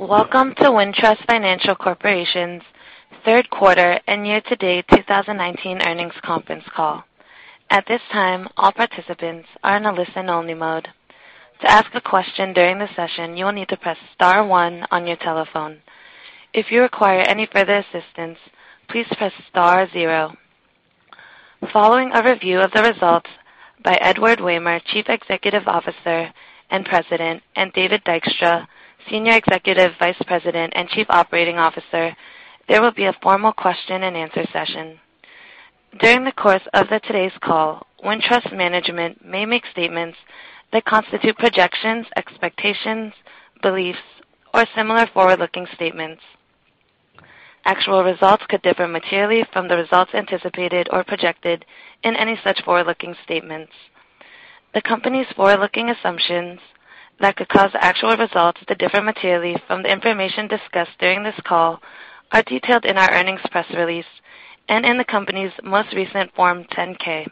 Welcome to Wintrust Financial Corporation's third quarter and year-to-date 2019 earnings conference call. At this time, all participants are in a listen-only mode. To ask a question during the session, you will need to press star one on your telephone. If you require any further assistance, please press star zero. Following a review of the results by Edward Wehmer, Chief Executive Officer and President, and David Dykstra, Senior Executive Vice President and Chief Operating Officer, there will be a formal question and answer session. During the course of the today's call, Wintrust management may make statements that constitute projections, expectations, beliefs, or similar forward-looking statements. Actual results could differ materially from the results anticipated or projected in any such forward-looking statements. The company's forward-looking assumptions that could cause actual results to differ materially from the information discussed during this call are detailed in our earnings press release and in the company's most recent Form 10-K,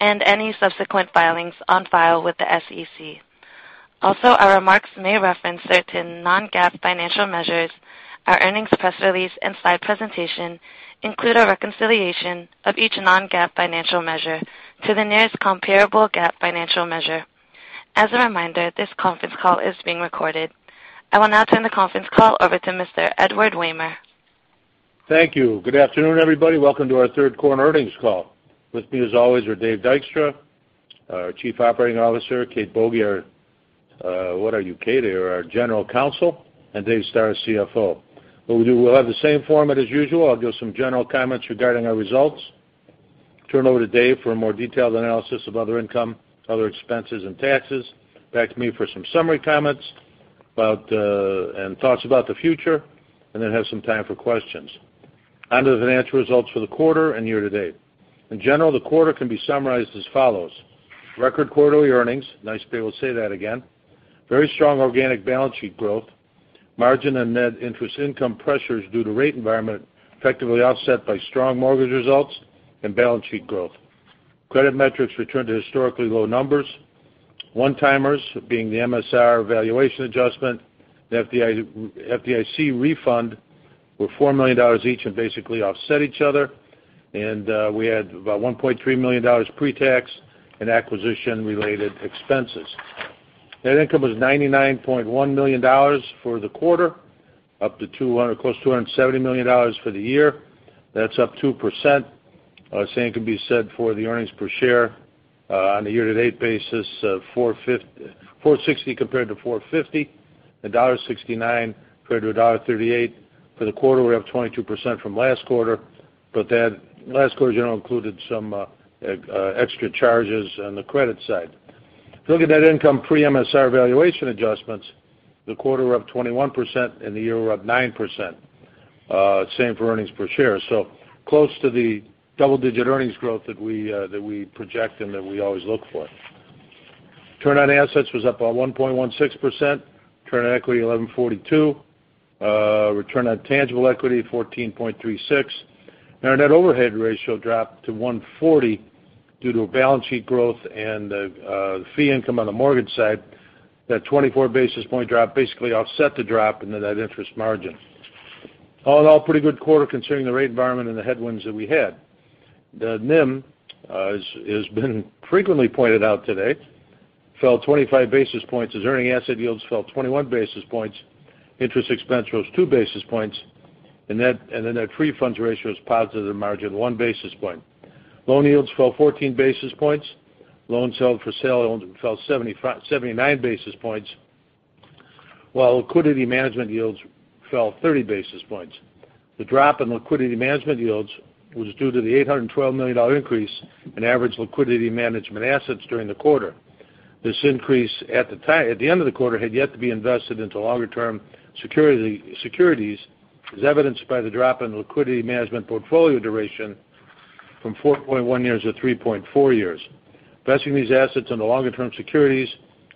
any subsequent filings on file with the SEC. Our remarks may reference certain non-GAAP financial measures. Our earnings press release and slide presentation include a reconciliation of each non-GAAP financial measure to the nearest comparable GAAP financial measure. As a reminder, this conference call is being recorded. I will now turn the conference call over to Mr. Edward Wehmer. Thank you. Good afternoon, everybody. Welcome to our third quarter earnings call. With me, as always, are Dave Dykstra, our Chief Operating Officer, Kate Boege, our General Counsel, and Dave Stoehr, our CFO. What we'll do, we'll have the same format as usual. I'll give some general comments regarding our results, turn it over to Dave for a more detailed analysis of other income, other expenses, and taxes. Back to me for some summary comments and thoughts about the future, and then have some time for questions. On to the financial results for the quarter and year to date. In general, the quarter can be summarized as follows. Record quarterly earnings. Nice to be able to say that again. Very strong organic balance sheet growth. Margin and net interest income pressures due to rate environment effectively offset by strong mortgage results and balance sheet growth. Credit metrics returned to historically low numbers. One-timers being the MSR valuation adjustment, the FDIC refund were $4 million each and basically offset each other. We had about $1.3 million pre-tax in acquisition-related expenses. Net income was $99.1 million for the quarter, up to close to $270 million for the year. That's up 2%. Same could be said for the earnings per share on a year-to-date basis of $4.60 compared to $4.50, and $1.69 compared to $1.38. For the quarter, we're up 22% from last quarter, but that last quarter, in general, included some extra charges on the credit side. If you look at net income pre-MSR valuation adjustments, the quarter up 21% and the year we're up 9%. Same for earnings per share. Close to the double-digit earnings growth that we project and that we always look for. Return on assets was up 1.16%. Return on equity 11.42%. Return on tangible equity 14.36%. Our net overhead ratio dropped to 140 due to a balance sheet growth and the fee income on the mortgage side. That 24 basis point drop basically offset the drop into net interest margin. All in all, pretty good quarter considering the rate environment and the headwinds that we had. The NIM, as has been frequently pointed out today, fell 25 basis points as earning asset yields fell 21 basis points. Interest expense rose two basis points, and the net free funds ratio was positive in margin one basis point. Loan yields fell 14 basis points. Loans held for sale fell 79 basis points, while liquidity management yields fell 30 basis points. The drop in liquidity management yields was due to the $812 million increase in average liquidity management assets during the quarter. This increase at the end of the quarter had yet to be invested into longer-term securities, as evidenced by the drop in liquidity management portfolio duration from 4.1 years to 3.4 years. Investing these assets into longer-term securities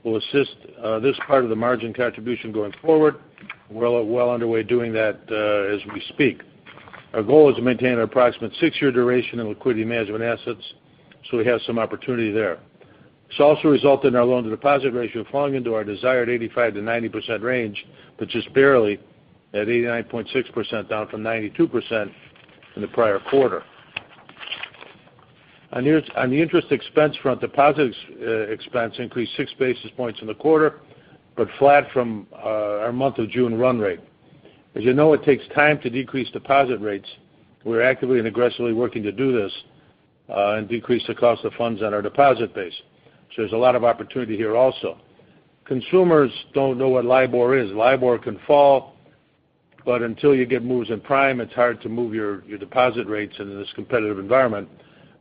will assist this part of the margin contribution going forward. We're well underway doing that as we speak. Our goal is to maintain an approximate six-year duration in liquidity management assets, so we have some opportunity there. This also resulted in our loan-to-deposit ratio falling into our desired 85%-90% range, but just barely, at 89.6%, down from 92% in the prior quarter. On the interest expense front, deposit expense increased six basis points in the quarter, but flat from our month of June run rate. As you know, it takes time to decrease deposit rates. We're actively and aggressively working to do this and decrease the cost of funds on our deposit base. There's a lot of opportunity here also. Consumers don't know what LIBOR is. LIBOR can fall, but until you get moves in prime, it's hard to move your deposit rates in this competitive environment.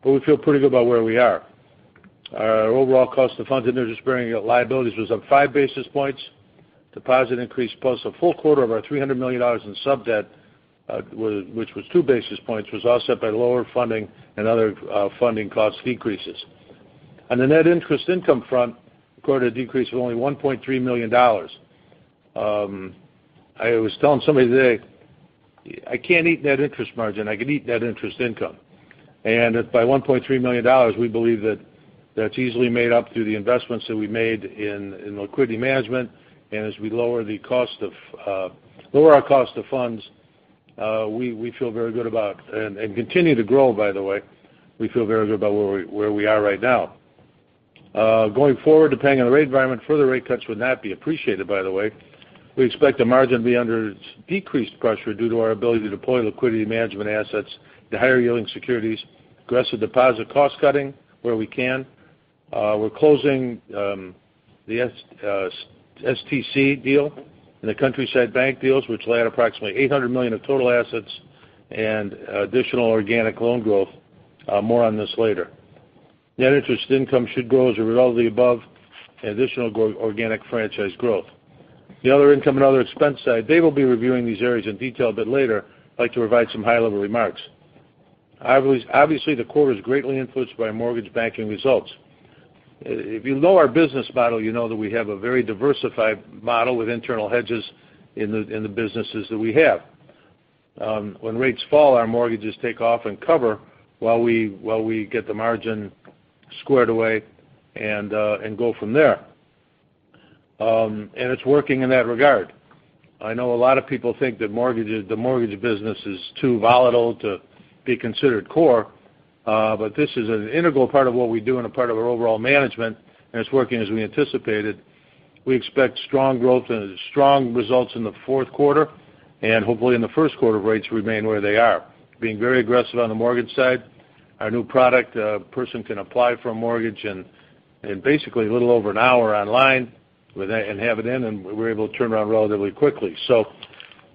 We feel pretty good about where we are. Our overall cost of funds and interest-bearing liabilities was up five basis points. Deposit increase plus a full quarter of our $300 million in sub-debt which was two basis points, was offset by lower funding and other funding cost decreases. On the net interest income front, quarter decrease of only $1.3 million. I was telling somebody today I can't eat net interest margin. I can eat net interest income. By $1.3 million, we believe that that's easily made up through the investments that we made in liquidity management. As we lower our cost of funds, we feel very good and continue to grow, by the way. We feel very good about where we are right now. Going forward, depending on the rate environment, further rate cuts would not be appreciated, by the way. We expect the margin to be under decreased pressure due to our ability to deploy liquidity management assets to higher yielding securities, aggressive deposit cost cutting where we can. We're closing the STC deal and the Countryside Bank deals, which will add approximately $800 million of total assets and additional organic loan growth. More on this later. Net Interest Income should grow as a result of the above and additional organic franchise growth. The other income and other expense side, Dave will be reviewing these areas in detail a bit later. I'd like to provide some high-level remarks. Obviously, the quarter is greatly influenced by mortgage banking results. If you know our business model, you know that we have a very diversified model with internal hedges in the businesses that we have. When rates fall, our mortgages take off and cover while we get the margin squared away and go from there. It's working in that regard. I know a lot of people think that the mortgage business is too volatile to be considered core. This is an integral part of what we do and a part of our overall management. It's working as we anticipated. We expect strong growth and strong results in the fourth quarter, and hopefully in the first quarter if rates remain where they are. Being very aggressive on the mortgage side. Our new product, a person can apply for a mortgage in basically a little over an hour online, and have it in, and we're able to turn around relatively quickly.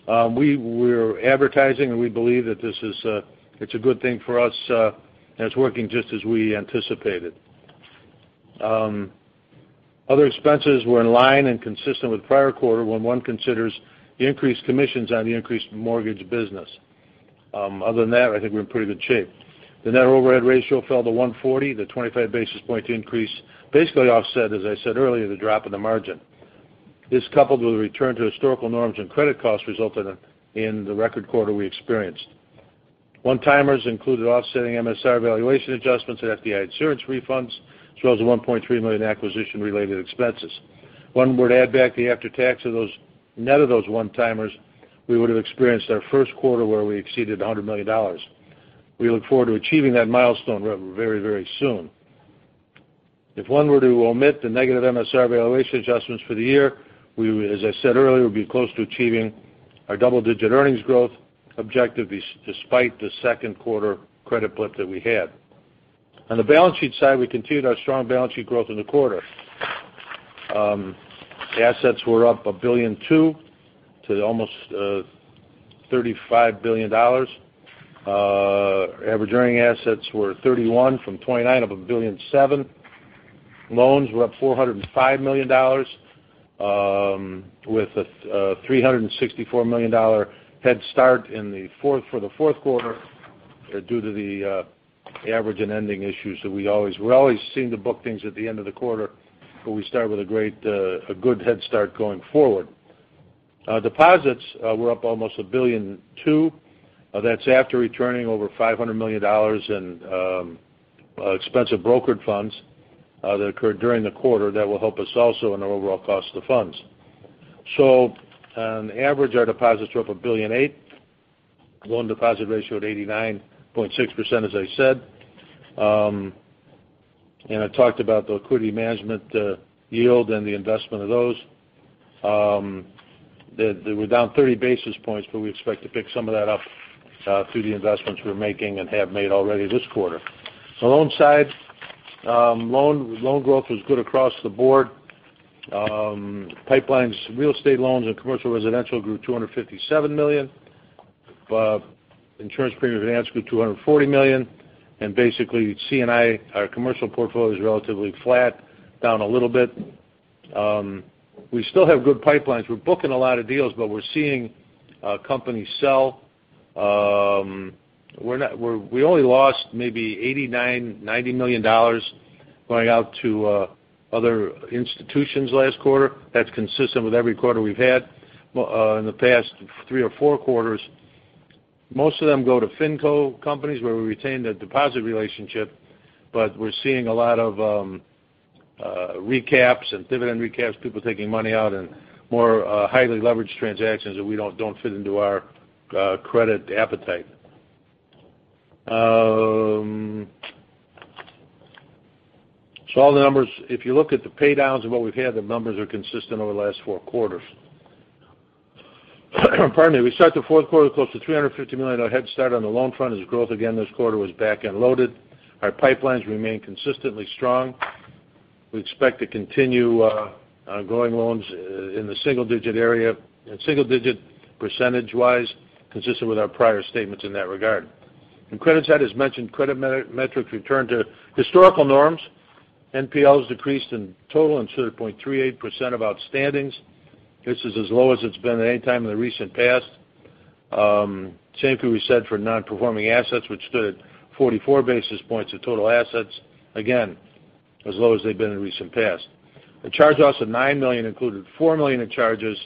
We're advertising, and we believe that it's a good thing for us, and it's working just as we anticipated. Other expenses were in line and consistent with the prior quarter when one considers the increased commissions on the increased mortgage business. Other than that, I think we're in pretty good shape. The net overhead ratio fell to 140. The 25 basis point increase basically offset, as I said earlier, the drop in the margin. This, coupled with a return to historical norms and credit costs, resulted in the record quarter we experienced. One-timers included offsetting MSR valuation adjustments and FDIC insurance refunds, as well as a $1.3 million acquisition related expenses. If one were to add back the after-tax of those, net of those one-timers, we would have experienced our first quarter where we exceeded $100 million. We look forward to achieving that milestone very soon. If one were to omit the negative MSR valuation adjustments for the year, we, as I said earlier, would be close to achieving our double-digit earnings growth objective despite the second quarter credit blip that we had. On the balance sheet side, we continued our strong balance sheet growth in the quarter. Assets were up $1.2 billion to almost $35 billion. Average earning assets were $31 billion from $29 billion, up $1.7 billion. Loans were up $405 million, with a $364 million head start for the fourth quarter due to the average and ending issues that we always seem to book things at the end of the quarter. We start with a good head start going forward. Deposits were up almost $1.2 billion. That's after returning over $500 million in expensive brokered funds that occurred during the quarter. That will help us also in our overall cost of funds. On average, our deposits were up $1.8 billion. Loan deposit ratio at 89.6%, as I said. I talked about the liquidity management yield and the investment of those. They were down 30 basis points. We expect to pick some of that up through the investments we're making and have made already this quarter. On the loan side, loan growth was good across the board. Pipelines, real estate loans, and commercial residential grew $257 million. Insurance premium finance grew $240 million. Basically, C&I, our commercial portfolio, is relatively flat, down a little bit. We still have good pipelines. We're booking a lot of deals, but we're seeing companies sell. We only lost maybe $89 million-$90 million going out to other institutions last quarter. That's consistent with every quarter we've had in the past three or four quarters. Most of them go to finco companies where we retain the deposit relationship. We're seeing a lot of recaps and dividend recaps, people taking money out, and more highly leveraged transactions that don't fit into our credit appetite. All the numbers, if you look at the pay downs and what we've had, the numbers are consistent over the last four quarters. Pardon me. We started the fourth quarter with close to $350 million head start on the loan front as growth again this quarter was back-end loaded. Our pipelines remain consistently strong. We expect to continue going loans in the single-digit area, single-digit percentage-wise, consistent with our prior statements in that regard. On the credit side, as mentioned, credit metrics returned to historical norms. NPLs decreased in total to 0.38% of outstandings. This is as low as it's been at any time in the recent past. Same thing we said for non-performing assets, which stood at 44 basis points of total assets. Again, as low as they've been in recent past. The charge-offs of $9 million included $4 million in charges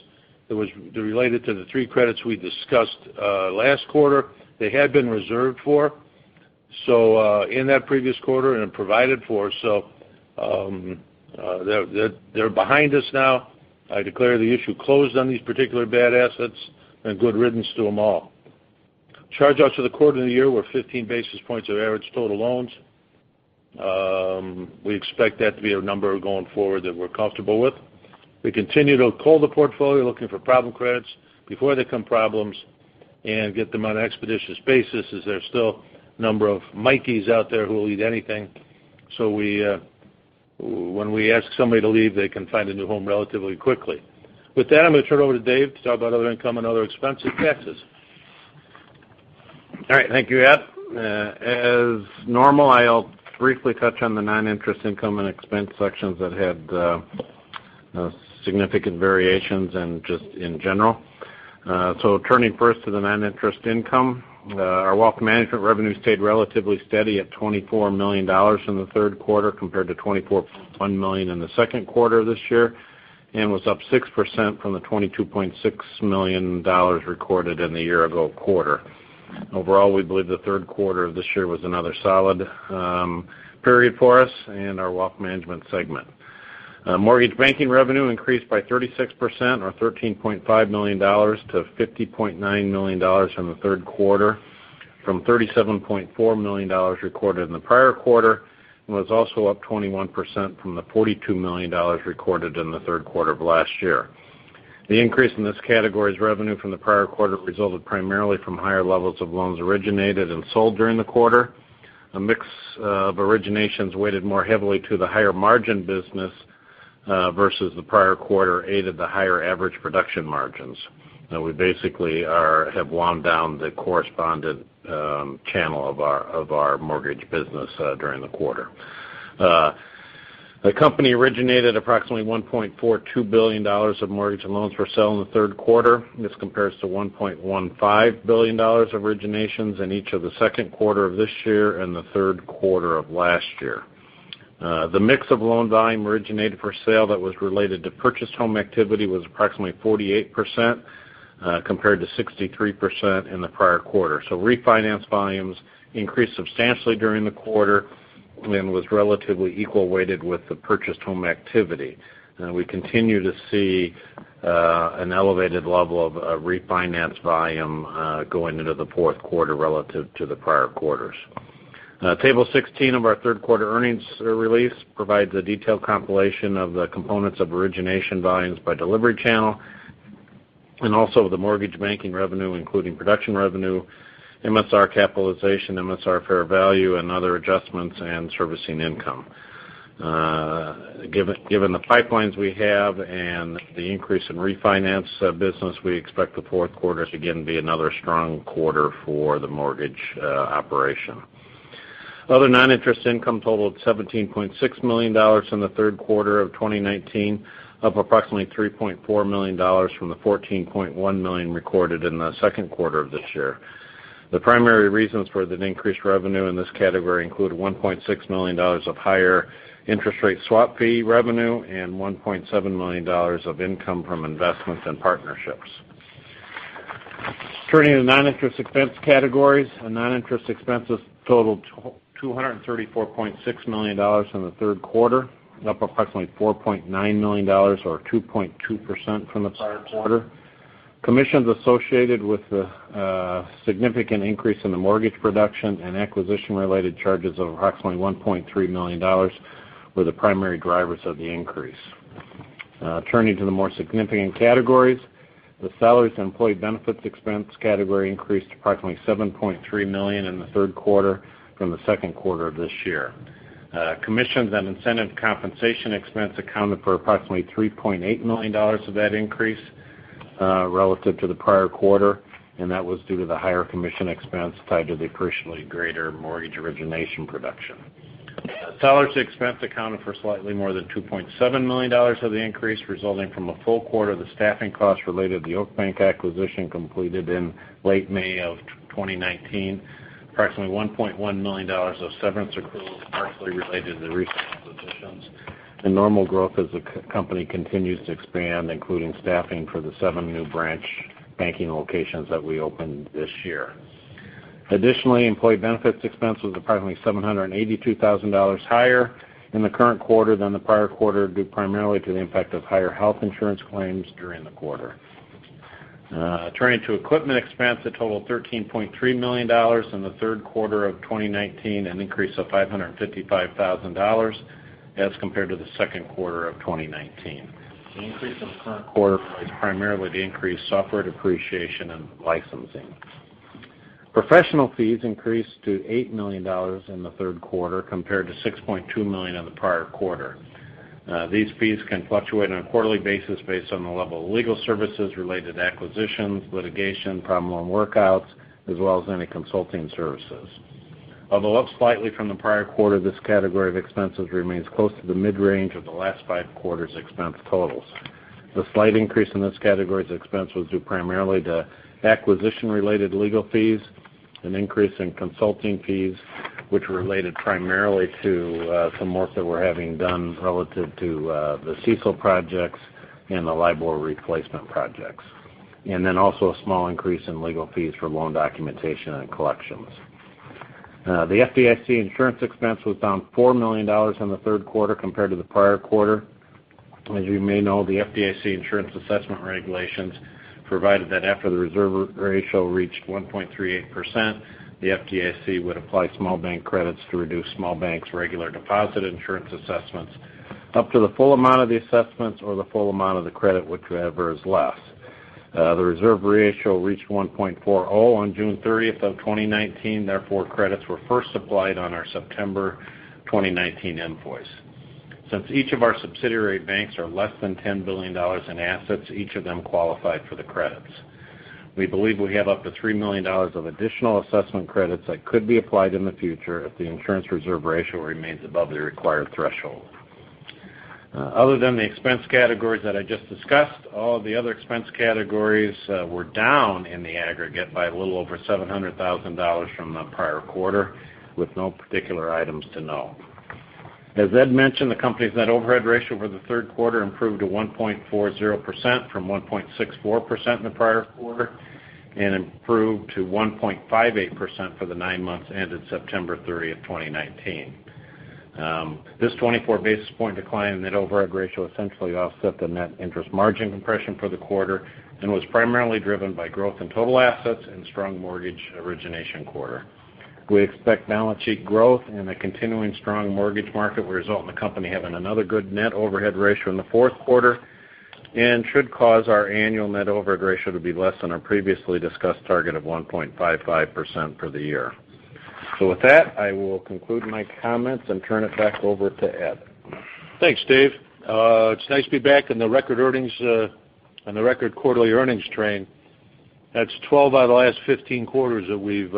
that was related to the three credits we discussed last quarter. They had been reserved for in that previous quarter and provided for. They're behind us now. I declare the issue closed on these particular bad assets, and good riddance to them all. Charge-offs for the quarter and the year were 15 basis points of average total loans. We expect that to be a number going forward that we're comfortable with. We continue to cull the portfolio, looking for problem credits before they become problems and get them on an expeditious basis, as there's still a number of Mikeys out there who will eat anything. When we ask somebody to leave, they can find a new home relatively quickly. With that, I'm going to turn it over to Dave to talk about other income and other expense and taxes. All right. Thank you, Ed. As normal, I'll briefly touch on the non-interest income and expense sections that had significant variations and just in general. Turning first to the non-interest income. Our Wealth Management revenue stayed relatively steady at $24 million in the third quarter, compared to $24.1 million in the second quarter of this year, and was up 6% from the $22.6 million recorded in the year ago quarter. Overall, we believe the third quarter of this year was another solid period for us in our Wealth Management segment. Mortgage Banking revenue increased by 36%, or $13.5 million, to $50.9 million in the third quarter, from $37.4 million recorded in the prior quarter, and was also up 21% from the $42 million recorded in the third quarter of last year. The increase in this category's revenue from the prior quarter resulted primarily from higher levels of loans originated and sold during the quarter. A mix of originations weighted more heavily to the higher margin business versus the prior quarter aided the higher average production margins. We basically have wound down the correspondent channel of our mortgage business during the quarter. The company originated approximately $1.42 billion of mortgage loans for sale in the third quarter. This compares to $1.15 billion of originations in each of the second quarter of this year and the third quarter of last year. The mix of loan volume originated for sale that was related to purchased home activity was approximately 48%, compared to 63% in the prior quarter. Refinance volumes increased substantially during the quarter and was relatively equal weighted with the purchased home activity. We continue to see an elevated level of refinance volume going into the fourth quarter relative to the prior quarters. Table 16 of our third quarter earnings release provides a detailed compilation of the components of origination volumes by delivery channel, and also the mortgage banking revenue, including production revenue, MSR capitalization, MSR fair value, and other adjustments and servicing income. Given the pipelines we have and the increase in refinance business, we expect the fourth quarter to again be another strong quarter for the mortgage operation. Other non-interest income totaled $17.6 million in the third quarter of 2019, up approximately $3.4 million from the $14.1 million recorded in the second quarter of this year. The primary reasons for the increased revenue in this category include $1.6 million of higher interest rate swap fee revenue and $1.7 million of income from investments and partnerships. Turning to the non-interest expense categories. Non-interest expenses totaled $234.6 million in the third quarter, up approximately $4.9 million or 2.2% from the prior quarter. Commissions associated with the significant increase in the mortgage production and acquisition-related charges of approximately $1.3 million were the primary drivers of the increase. Turning to the more significant categories. The salaries and employee benefits expense category increased approximately $7.3 million in the third quarter from the second quarter of this year. Commissions and incentive compensation expense accounted for approximately $3.8 million of that increase relative to the prior quarter, and that was due to the higher commission expense tied to the personally greater mortgage origination production. Salaries expense accounted for slightly more than $2.7 million of the increase, resulting from a full quarter of the staffing costs related to the Oak Bank acquisition completed in late May of 2019. Approximately $1.1 million of severance accruals partially related to the recent acquisitions. Normal growth as the company continues to expand, including staffing for the seven new branch banking locations that we opened this year. Additionally, employee benefits expense was approximately $782,000 higher in the current quarter than the prior quarter, due primarily to the impact of higher health insurance claims during the quarter. Turning to equipment expense that totaled $13.3 million in the third quarter of 2019, an increase of $555,000 as compared to the second quarter of 2019. The increase in the current quarter relates primarily to increased software depreciation and licensing. Professional fees increased to $8 million in the third quarter, compared to $6.2 million in the prior quarter. These fees can fluctuate on a quarterly basis based on the level of legal services related to acquisitions, litigation, problem loan workouts, as well as any consulting services. Although up slightly from the prior quarter, this category of expenses remains close to the mid-range of the last five quarters' expense totals. The slight increase in this category's expense was due primarily to acquisition-related legal fees. An increase in consulting fees, which were related primarily to some work that we're having done relative to the CECL projects and the LIBOR replacement projects. Also a small increase in legal fees for loan documentation and collections. The FDIC insurance expense was down $4 million in the third quarter compared to the prior quarter. As you may know, the FDIC insurance assessment regulations provided that after the reserve ratio reached 1.38%, the FDIC would apply small bank credits to reduce small banks' regular deposit insurance assessments up to the full amount of the assessments or the full amount of the credit, whichever is less. The reserve ratio reached 1.40 on June 30th of 2019. Therefore, credits were first applied on our September 2019 invoice. Since each of our subsidiary banks are less than $10 billion in assets, each of them qualified for the credits. We believe we have up to $3 million of additional assessment credits that could be applied in the future if the insurance reserve ratio remains above the required threshold. Other than the expense categories that I just discussed, all the other expense categories were down in the aggregate by a little over $700,000 from the prior quarter, with no particular items to know. As Ed mentioned, the company's net overhead ratio for the third quarter improved to 1.40% from 1.64% in the prior quarter and improved to 1.58% for the nine months ended September 30th, 2019. This 24-basis point decline in net overhead ratio essentially offset the net interest margin compression for the quarter and was primarily driven by growth in total assets and strong mortgage origination quarter. We expect balance sheet growth and a continuing strong mortgage market will result in the company having another good net overhead ratio in the fourth quarter and should cause our annual net overhead ratio to be less than our previously discussed target of 1.55% for the year. With that, I will conclude my comments and turn it back over to Ed. Thanks, Dave. It's nice to be back on the record quarterly earnings train. That's 12 out of the last 15 quarters that we've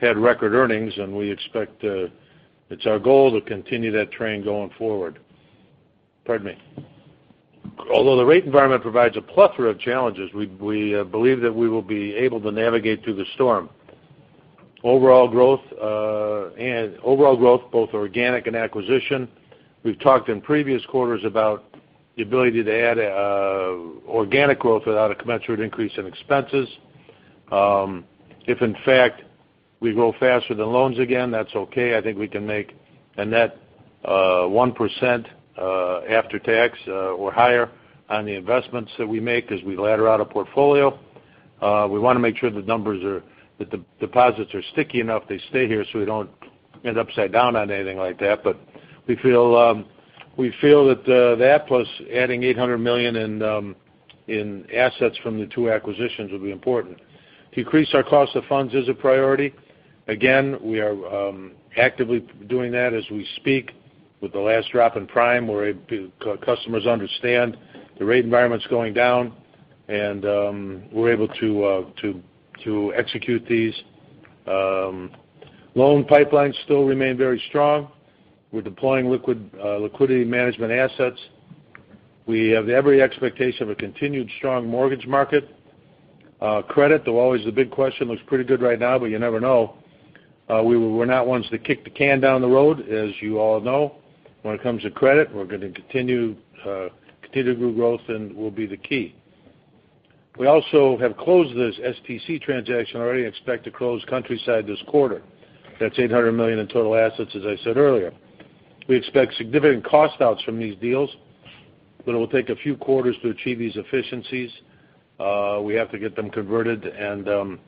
had record earnings. It's our goal to continue that train going forward. Pardon me. Although the rate environment provides a plethora of challenges, we believe that we will be able to navigate through the storm. Overall growth, both organic and acquisition. We've talked in previous quarters about the ability to add organic growth without a commensurate increase in expenses. If, in fact, we grow faster than loans again, that's okay. I think we can make a net 1% after tax or higher on the investments that we make as we ladder out a portfolio. We want to make sure that the deposits are sticky enough, they stay here so we don't end upside down on anything like that. We feel that that plus adding $800 million in assets from the two acquisitions will be important. Decrease our cost of funds is a priority. We are actively doing that as we speak with the last drop in Prime, where customers understand the rate environment's going down, and we're able to execute these. Loan pipelines still remain very strong. We're deploying liquidity management assets. We have every expectation of a continued strong mortgage market. Credit, though always the big question, looks pretty good right now, but you never know. We're not ones to kick the can down the road, as you all know. When it comes to credit, continued growth will be the key. We also have closed the STC transaction already and expect to close Countryside this quarter. That's $800 million in total assets, as I said earlier. We expect significant cost outs from these deals. It will take a few quarters to achieve these efficiencies. We have to get them converted, and it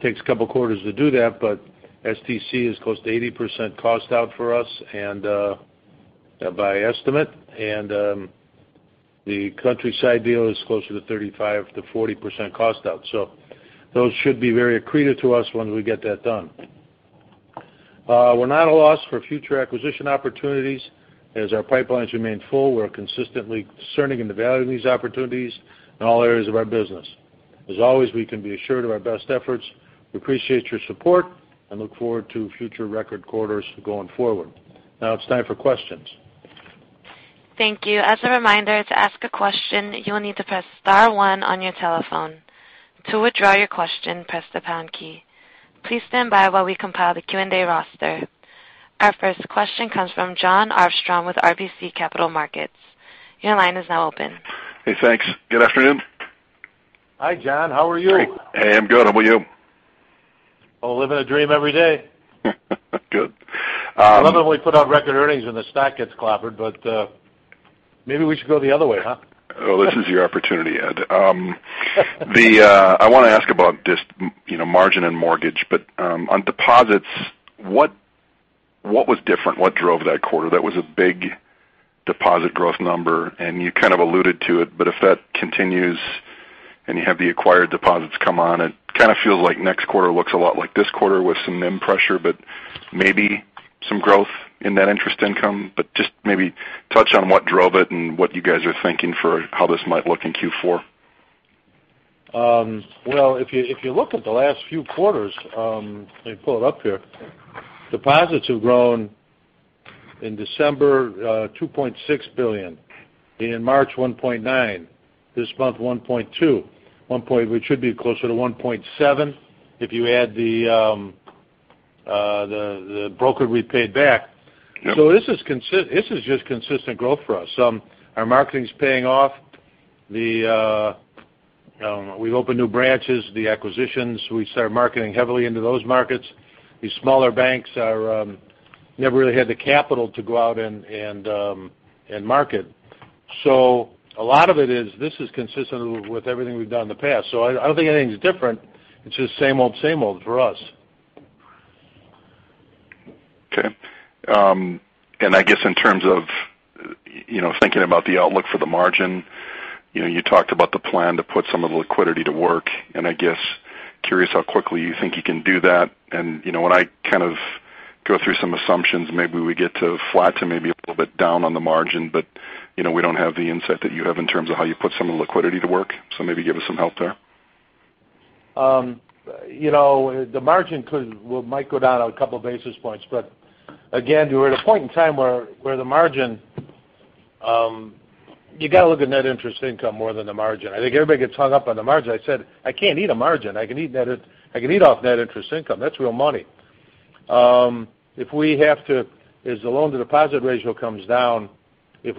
takes a couple of quarters to do that, but STC is close to 80% cost out for us by estimate, and the Countryside deal is closer to 35%-40% cost out. Those should be very accretive to us once we get that done. We're not a loss for future acquisition opportunities. As our pipelines remain full, we're consistently discerning and evaluating these opportunities in all areas of our business. As always, we can be assured of our best efforts. We appreciate your support and look forward to future record quarters going forward. Now it's time for questions. Thank you. As a reminder, to ask a question, you will need to press *1 on your telephone. To withdraw your question, press the # key. Please stand by while we compile the Q&A roster. Our first question comes from Jon Arfstrom with RBC Capital Markets. Your line is now open. Hey, thanks. Good afternoon. Hi, Jon. How are you? Hey, I'm good. How about you? Oh, living the dream every day. Good. I love it when we put out record earnings and the stock gets clobbered. Maybe we should go the other way, huh? This is your opportunity, Ed. I want to ask about just margin and mortgage. On deposits, what was different? What drove that quarter? That was a big deposit growth number, and you kind of alluded to it, but if that continues and you have the acquired deposits come on, it kind of feels like next quarter looks a lot like this quarter with some NIM pressure, but maybe some growth in that interest income. Just maybe touch on what drove it and what you guys are thinking for how this might look in Q4. Well, if you look at the last few quarters, let me pull it up here. Deposits have grown. In December, $2.6 billion. In March, $1.9 billion. This month, $1.2 billion. We should be closer to $1.7 billion if you add the broker we paid back. Yep. This is just consistent growth for us. Our marketing is paying off. We opened new branches. The acquisitions, we started marketing heavily into those markets. These smaller banks never really had the capital to go out and market. A lot of it is, this is consistent with everything we've done in the past. I don't think anything's different. It's just same old, same old for us. Okay. I guess in terms of thinking about the outlook for the margin, you talked about the plan to put some of the liquidity to work, and I guess, curious how quickly you think you can do that. When I go through some assumptions, maybe we get to flat to maybe a little bit down on the margin, but we don't have the insight that you have in terms of how you put some of the liquidity to work. Maybe give us some help there. The margin might go down a couple basis points. Again, we're at a point in time where the margin. You got to look at net interest income more than the margin. I think everybody gets hung up on the margin. I said, I can't eat a margin. I can eat off net interest income. That's real money. If the loan-to-deposit ratio comes down, if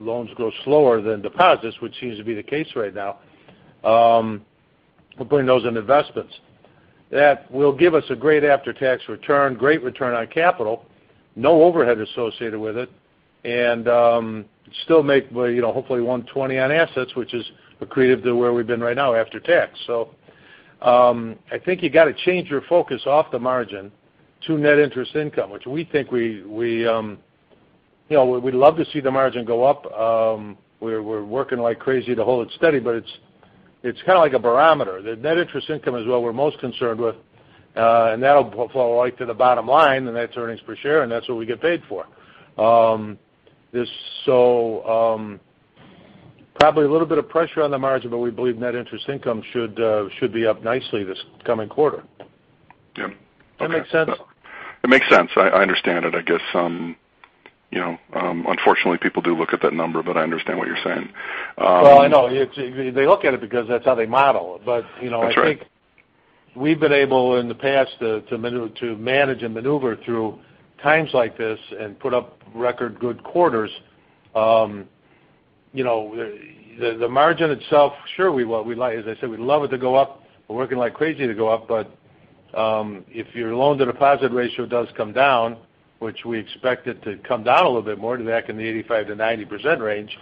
loans grow slower than deposits, which seems to be the case right now, we're putting those into investments. That will give us a great after-tax return, great return on capital, no overhead associated with it, and still make, hopefully, 120 on assets, which is accretive to where we've been right now after tax. I think you got to change your focus off the margin to net interest income, which we think we'd love to see the margin go up. We're working like crazy to hold it steady, but it's kind of like a barometer. The net interest income is what we're most concerned with. That'll flow right to the bottom line, and that's earnings per share, and that's what we get paid for. Probably a little bit of pressure on the margin, but we believe net interest income should be up nicely this coming quarter. Yeah. Okay. That make sense? It makes sense. I understand it. I guess, unfortunately, people do look at that number, I understand what you're saying. Well, I know. They look at it because that's how they model it. That's right. I think we've been able, in the past, to manage and maneuver through times like this and put up record good quarters. The margin itself, sure, as I said, we'd love it to go up. We're working like crazy to go up. If your loan-to-deposit ratio does come down, which we expect it to come down a little bit more to back in the 85%-90% range,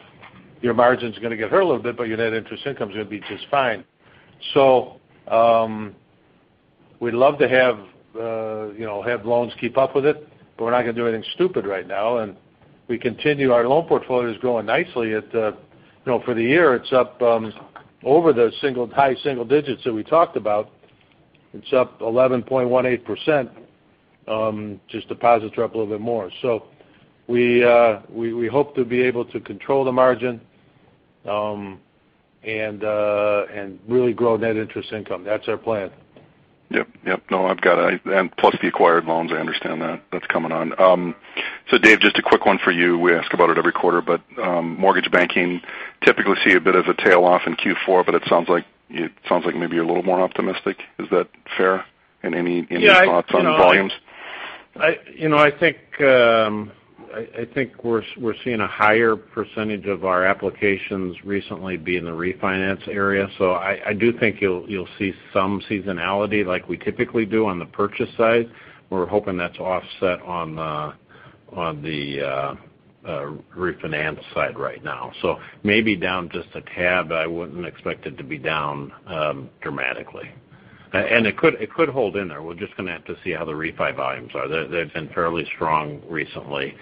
your margin's going to get hurt a little bit, but your net interest income is going to be just fine. We'd love to have loans keep up with it, but we're not going to do anything stupid right now. We continue, our loan portfolio is growing nicely. For the year, it's up over the high single digits that we talked about. It's up 11.18%, just deposits are up a little bit more. We hope to be able to control the margin and really grow net interest income. That's our plan. Yep. No, I've got it. Plus the acquired loans, I understand that. That's coming on. Dave, just a quick one for you. We ask about it every quarter, but mortgage banking typically see a bit of a tail off in Q4, but it sounds like maybe you're a little more optimistic. Is that fair? Any thoughts on volumes? I think we're seeing a higher % of our applications recently be in the refinance area. I do think you'll see some seasonality like we typically do on the purchase side. We're hoping that's offset on the refinance side right now. Maybe down just a tab. I wouldn't expect it to be down dramatically. It could hold in there. We're just going to have to see how the refi volumes are. They've been fairly strong recently.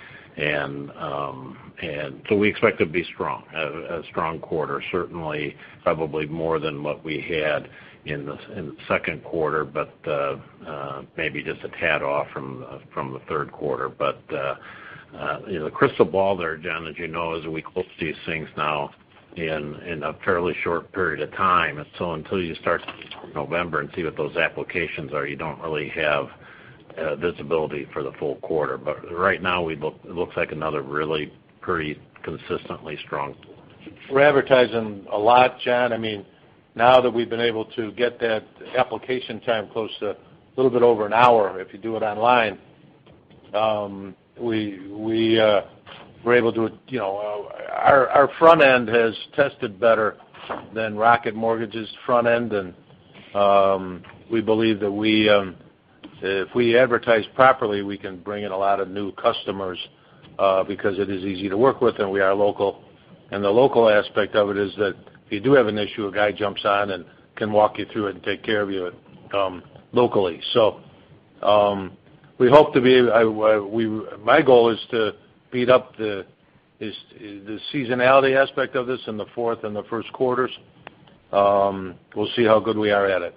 We expect it to be a strong quarter, certainly probably more than what we had in the second quarter, but maybe just a tad off from the third quarter. The crystal ball there, Jon, as you know, is we close these things now in a fairly short period of time. Until you start November and see what those applications are, you don't really have visibility for the full quarter. Right now, it looks like another really pretty consistently strong quarter. We're advertising a lot, Jon. Now that we've been able to get that application time close to a little bit over an hour if you do it online, our front end has tested better than Rocket Mortgage's front end. We believe that if we advertise properly, we can bring in a lot of new customers because it is easy to work with, and we are local. The local aspect of it is that if you do have an issue, a guy jumps on and can walk you through it and take care of you locally. My goal is to beat up the seasonality aspect of this in the fourth and the first quarters. We'll see how good we are at it.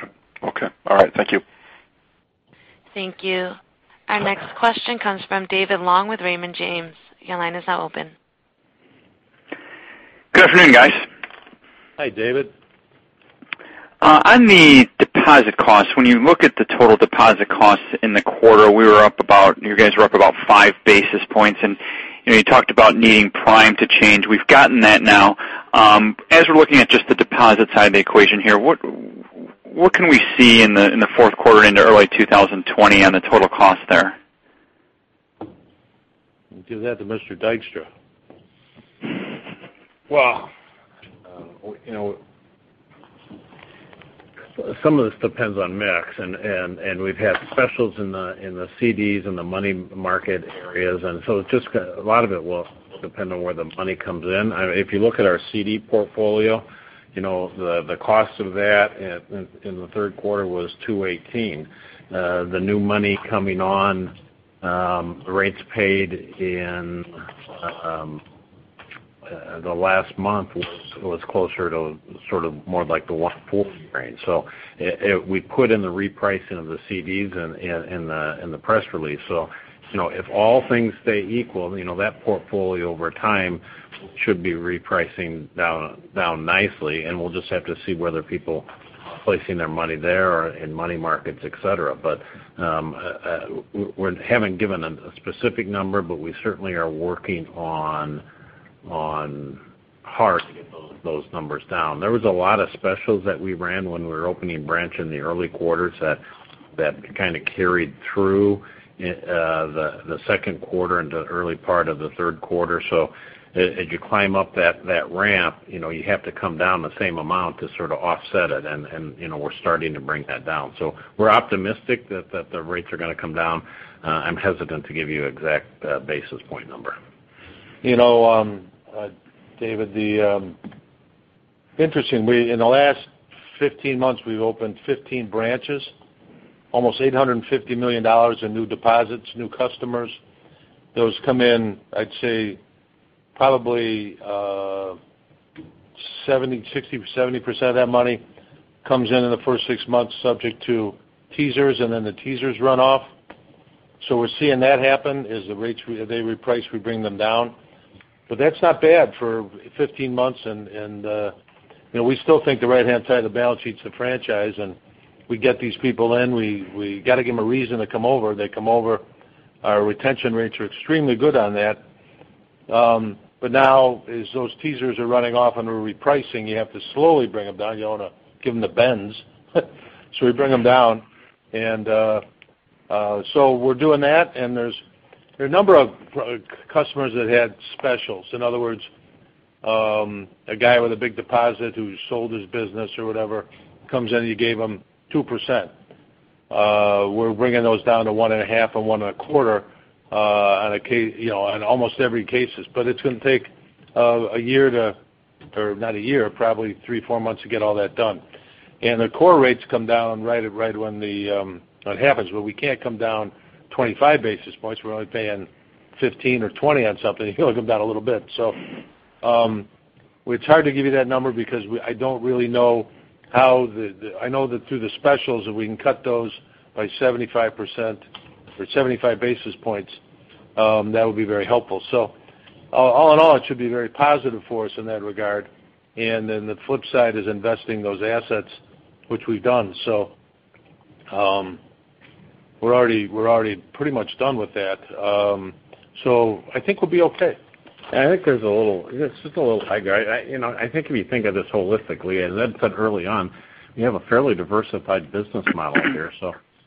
Yep. Okay. All right. Thank you. Thank you. Our next question comes from David Long with Raymond James. Your line is now open. Good afternoon, guys. Hi, David. On the deposit costs, when you look at the total deposit costs in the quarter, you guys were up about five basis points, and you talked about needing prime to change. We've gotten that now. As we're looking at just the deposit side of the equation here, what can we see in the fourth quarter into early 2020 on the total cost there? We'll give that to Mr. Dykstra. Some of this depends on mix, and we've had specials in the CDs and the money market areas. A lot of it will depend on where the money comes in. If you look at our CD portfolio, the cost of that in the third quarter was 218. The new money coming on, the rates paid in the last month was closer to more like the 140 range. We put in the repricing of the CDs in the press release. If all things stay equal, that portfolio over time should be repricing down nicely, and we'll just have to see whether people are placing their money there or in money markets, et cetera. We haven't given a specific number, but we certainly are working on hard to get those numbers down. There was a lot of specials that we ran when we were opening branch in the early quarters that kind of carried through the second quarter into early part of the third quarter. As you climb up that ramp, you have to come down the same amount to sort of offset it, and we're starting to bring that down. We're optimistic that the rates are going to come down. I'm hesitant to give you exact basis point number. David, interestingly, in the last 15 months, we've opened 15 branches, almost $850 million in new deposits, new customers. Those come in, I'd say probably, 60%-70% of that money comes in the first six months, subject to teasers. The teasers run off. We're seeing that happen is the rates, they reprice, we bring them down. That's not bad for 15 months, and we still think the right-hand side of the balance sheet's the franchise, and we get these people in. We got to give them a reason to come over. They come over. Our retention rates are extremely good on that. Now as those teasers are running off and we're repricing, you have to slowly bring them down. You don't want to give them the bends. We bring them down. We're doing that, and there are a number of customers that had specials. In other words, a guy with a big deposit who sold his business or whatever comes in, you gave him 2%. We're bringing those down to one and a half and one and a quarter on almost every cases. It's going to take a year or not a year, probably three, four months to get all that done. The core rates come down right when that happens. We can't come down 25 basis points. We're only paying 15 or 20 on something. You can only come down a little bit. It's hard to give you that number because I don't really know how the. I know that through the specials, if we can cut those by 75% or 75 basis points, that would be very helpful. All in all, it should be very positive for us in that regard. The flip side is investing those assets, which we've done. We're already pretty much done with that. I think we'll be okay. I think if you think of this holistically, as Ed said early on, we have a fairly diversified business model here.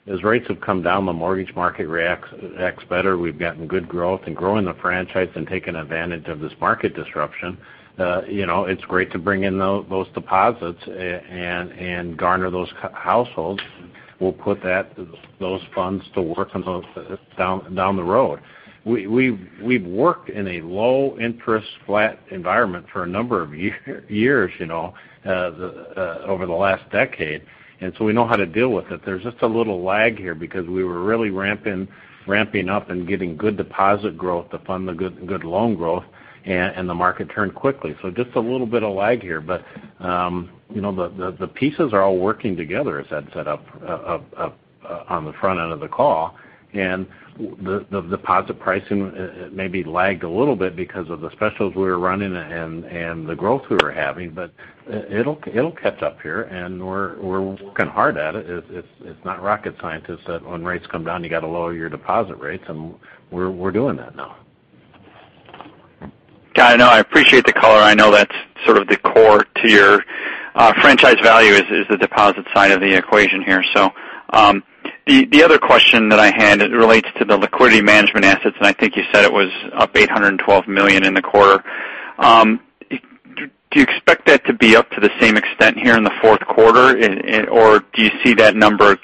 As rates have come down, the mortgage market reacts better. We've gotten good growth in growing the franchise and taking advantage of this market disruption. It's great to bring in those deposits and garner those households. We'll put those funds to work down the road. We've worked in a low interest flat environment for a number of years over the last decade, we know how to deal with it. There's just a little lag here because we were really ramping up and getting good deposit growth to fund the good loan growth, the market turned quickly. Just a little bit of lag here, but the pieces are all working together, as Ed said on the front end of the call. The deposit pricing maybe lagged a little bit because of the specials we were running and the growth we were having. It'll catch up here, and we're working hard at it. It's not rocket science that when rates come down, you got to lower your deposit rates, and we're doing that now. Got it. I appreciate the color. I know that's sort of the core to your franchise value is the deposit side of the equation here. The other question that I had, it relates to the liquidity management assets, and I think you said it was up $812 million in the quarter. Do you expect that to be up to the same extent here in the fourth quarter, or do you see that number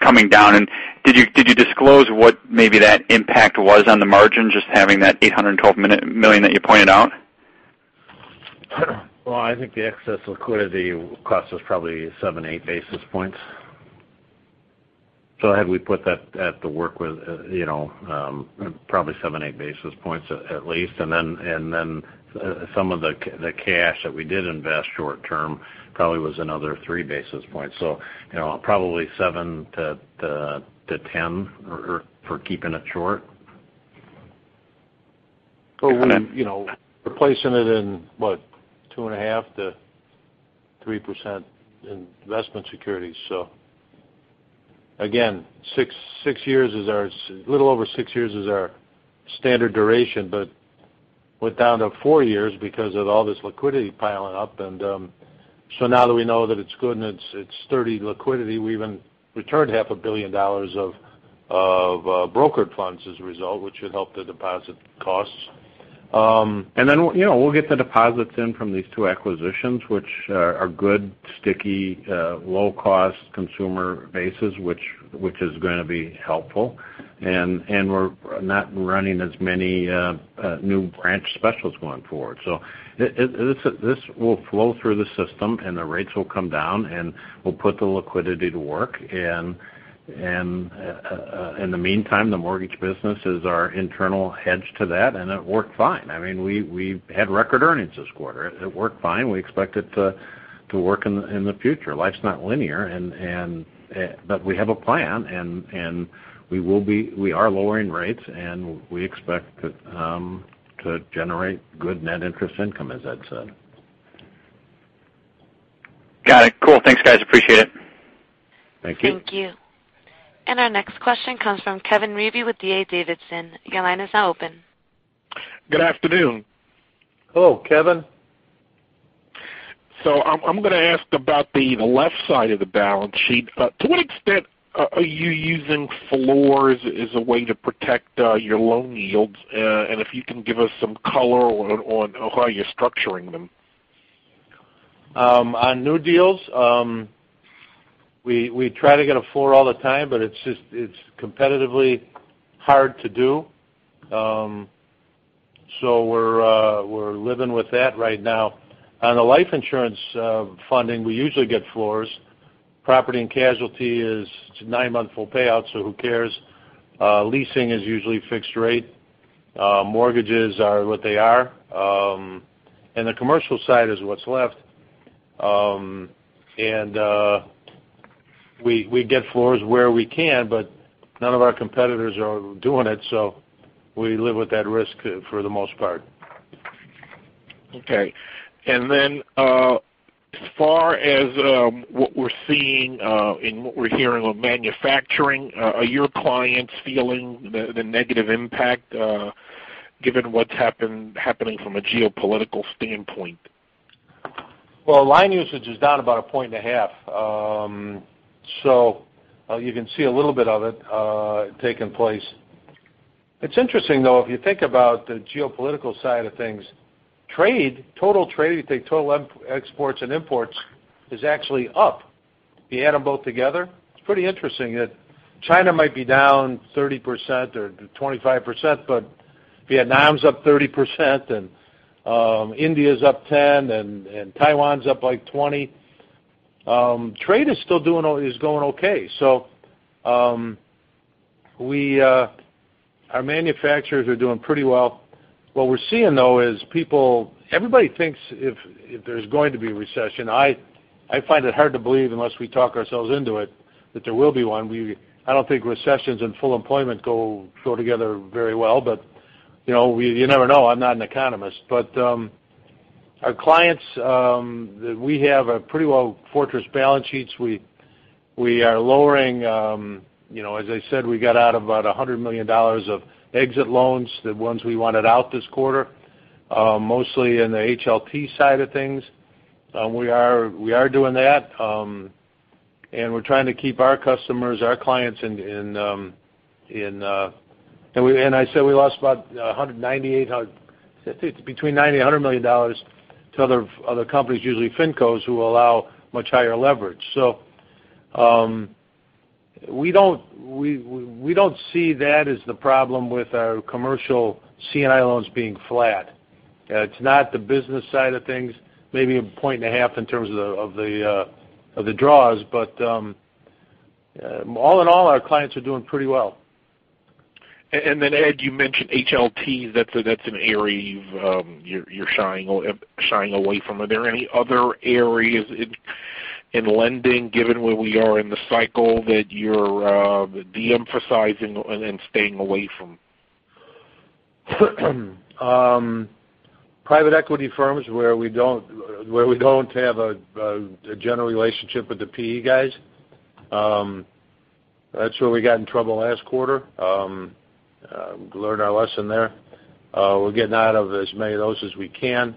coming down? Did you disclose what maybe that impact was on the margin, just having that $812 million that you pointed out? Well, I think the excess liquidity cost was probably seven, eight basis points. Had we put that to work with probably seven, eight basis points at least, and then some of the cash that we did invest short term probably was another three basis points. Probably seven to 10 for keeping it short. Well, we're replacing it in, what, 2.5%-3% investment securities. Again, a little over six years is our standard duration, went down to four years because of all this liquidity piling up. Now that we know that it's good and it's sturdy liquidity, we even returned half a billion dollars of brokered funds as a result, which should help the deposit costs. We'll get the deposits in from these two acquisitions, which are good, sticky, low-cost consumer bases, which is going to be helpful. We're not running as many new branch specials going forward. This will flow through the system, and the rates will come down, and we'll put the liquidity to work. In the meantime, the mortgage business is our internal hedge to that, and it worked fine. We had record earnings this quarter. It worked fine. We expect it to work in the future. Life's not linear, but we have a plan, and we are lowering rates, and we expect to generate good net interest income, as Ed said. Got it. Cool. Thanks, guys. Appreciate it. Thank you. Thank you. Our next question comes from Kevin Reavy with D.A. Davidson. Your line is now open. Good afternoon. Hello, Kevin. I'm going to ask about the left side of the balance sheet. To what extent are you using floors as a way to protect your loan yields? If you can give us some color on how you're structuring them. On new deals, we try to get a floor all the time, but it's competitively hard to do. We're living with that right now. On the life insurance funding, we usually get floors. Property and casualty is nine-month full payout, so who cares? Leasing is usually fixed rate. Mortgages are what they are. The commercial side is what's left. We get floors where we can, but none of our competitors are doing it, so we live with that risk for the most part. Okay. As far as what we're seeing and what we're hearing on manufacturing, are your clients feeling the negative impact given what's happening from a geopolitical standpoint? Line usage is down about one and a half percentage points. You can see a little bit of it taking place. It's interesting, though. If you think about the geopolitical side of things, total trade, if you take total exports and imports, is actually up. If you add them both together, it's pretty interesting that China might be down 30% or 25%, but Vietnam's up 30%, and India's up 10%, and Taiwan's up like 20%. Trade is still going okay. Our manufacturers are doing pretty well. What we're seeing, though, is everybody thinks if there's going to be a recession. I find it hard to believe unless we talk ourselves into it that there will be one. I don't think recessions and full employment go together very well. You never know. I'm not an economist. Our clients, we have pretty well-fortressed balance sheets. As I said, we got out about $100 million of exit loans, the ones we wanted out this quarter, mostly in the HLT side of things. We are doing that. We're trying to keep our customers, our clients in-- I said we lost between $90 million and $100 million to other companies, usually fincos, who allow much higher leverage. We don't see that as the problem with our commercial C&I loans being flat. It's not the business side of things. Maybe a point and a half in terms of the draws. All in all, our clients are doing pretty well. Ed, you mentioned HLT. That's an area you're shying away from. Are there any other areas in lending, given where we are in the cycle, that you're de-emphasizing and staying away from? Private equity firms where we don't have a general relationship with the PE guys. That's where we got in trouble last quarter. Learned our lesson there. We're getting out of as many of those as we can.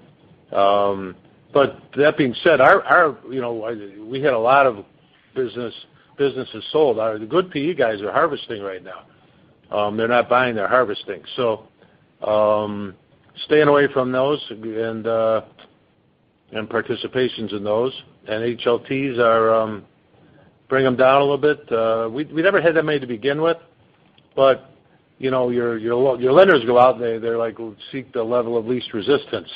That being said, we had a lot of businesses sold. The good PE guys are harvesting right now. They're not buying. They're harvesting. Staying away from those and participations in those. HLTs, bring them down a little bit. We never had that many to begin with. Your lenders go out and they seek the level of least resistance.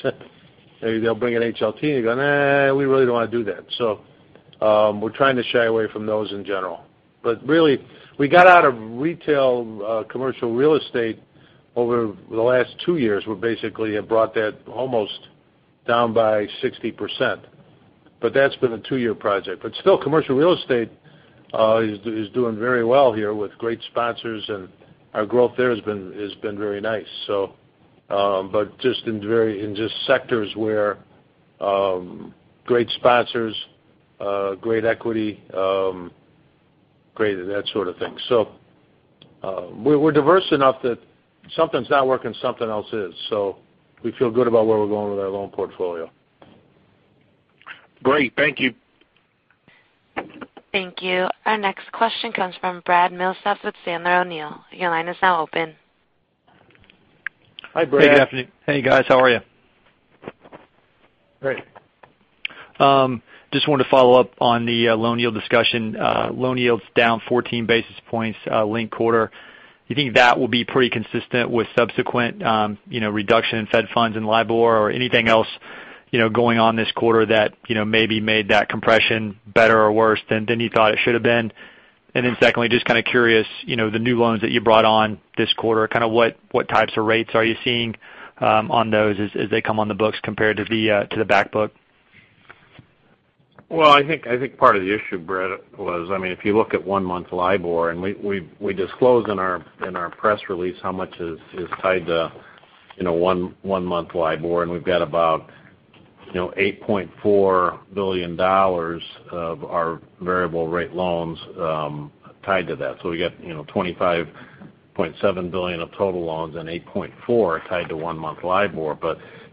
Maybe they'll bring an HLT and you go, nah, we really don't want to do that. We're trying to shy away from those in general. Really, we got out of retail commercial real estate over the last two years. We basically have brought that almost down by 60%. That's been a two-year project. Still, commercial real estate is doing very well here with great sponsors, and our growth there has been very nice. Just in sectors where great sponsors, great equity, great at that sort of thing. We're diverse enough that something's not working, something else is. We feel good about where we're going with our loan portfolio. Great. Thank you. Thank you. Our next question comes from Brad Milsaps with Sandler O'Neill. Your line is now open. Hi, Brad. Hey, guys. How are you? Great. Just wanted to follow up on the loan yield discussion. Loan yield's down 14 basis points linked quarter. You think that will be pretty consistent with subsequent reduction in Fed funds and LIBOR or anything else going on this quarter that maybe made that compression better or worse than you thought it should have been? Then secondly, just kind of curious, the new loans that you brought on this quarter, what types of rates are you seeing on those as they come on the books compared to the back book? Well, I think part of the issue, Brad, was if you look at one-month LIBOR. We disclose in our press release how much is tied to one-month LIBOR. We've got about $8.4 billion of our variable rate loans tied to that. We got $25.7 billion of total loans and $8.4 billion tied to one-month LIBOR.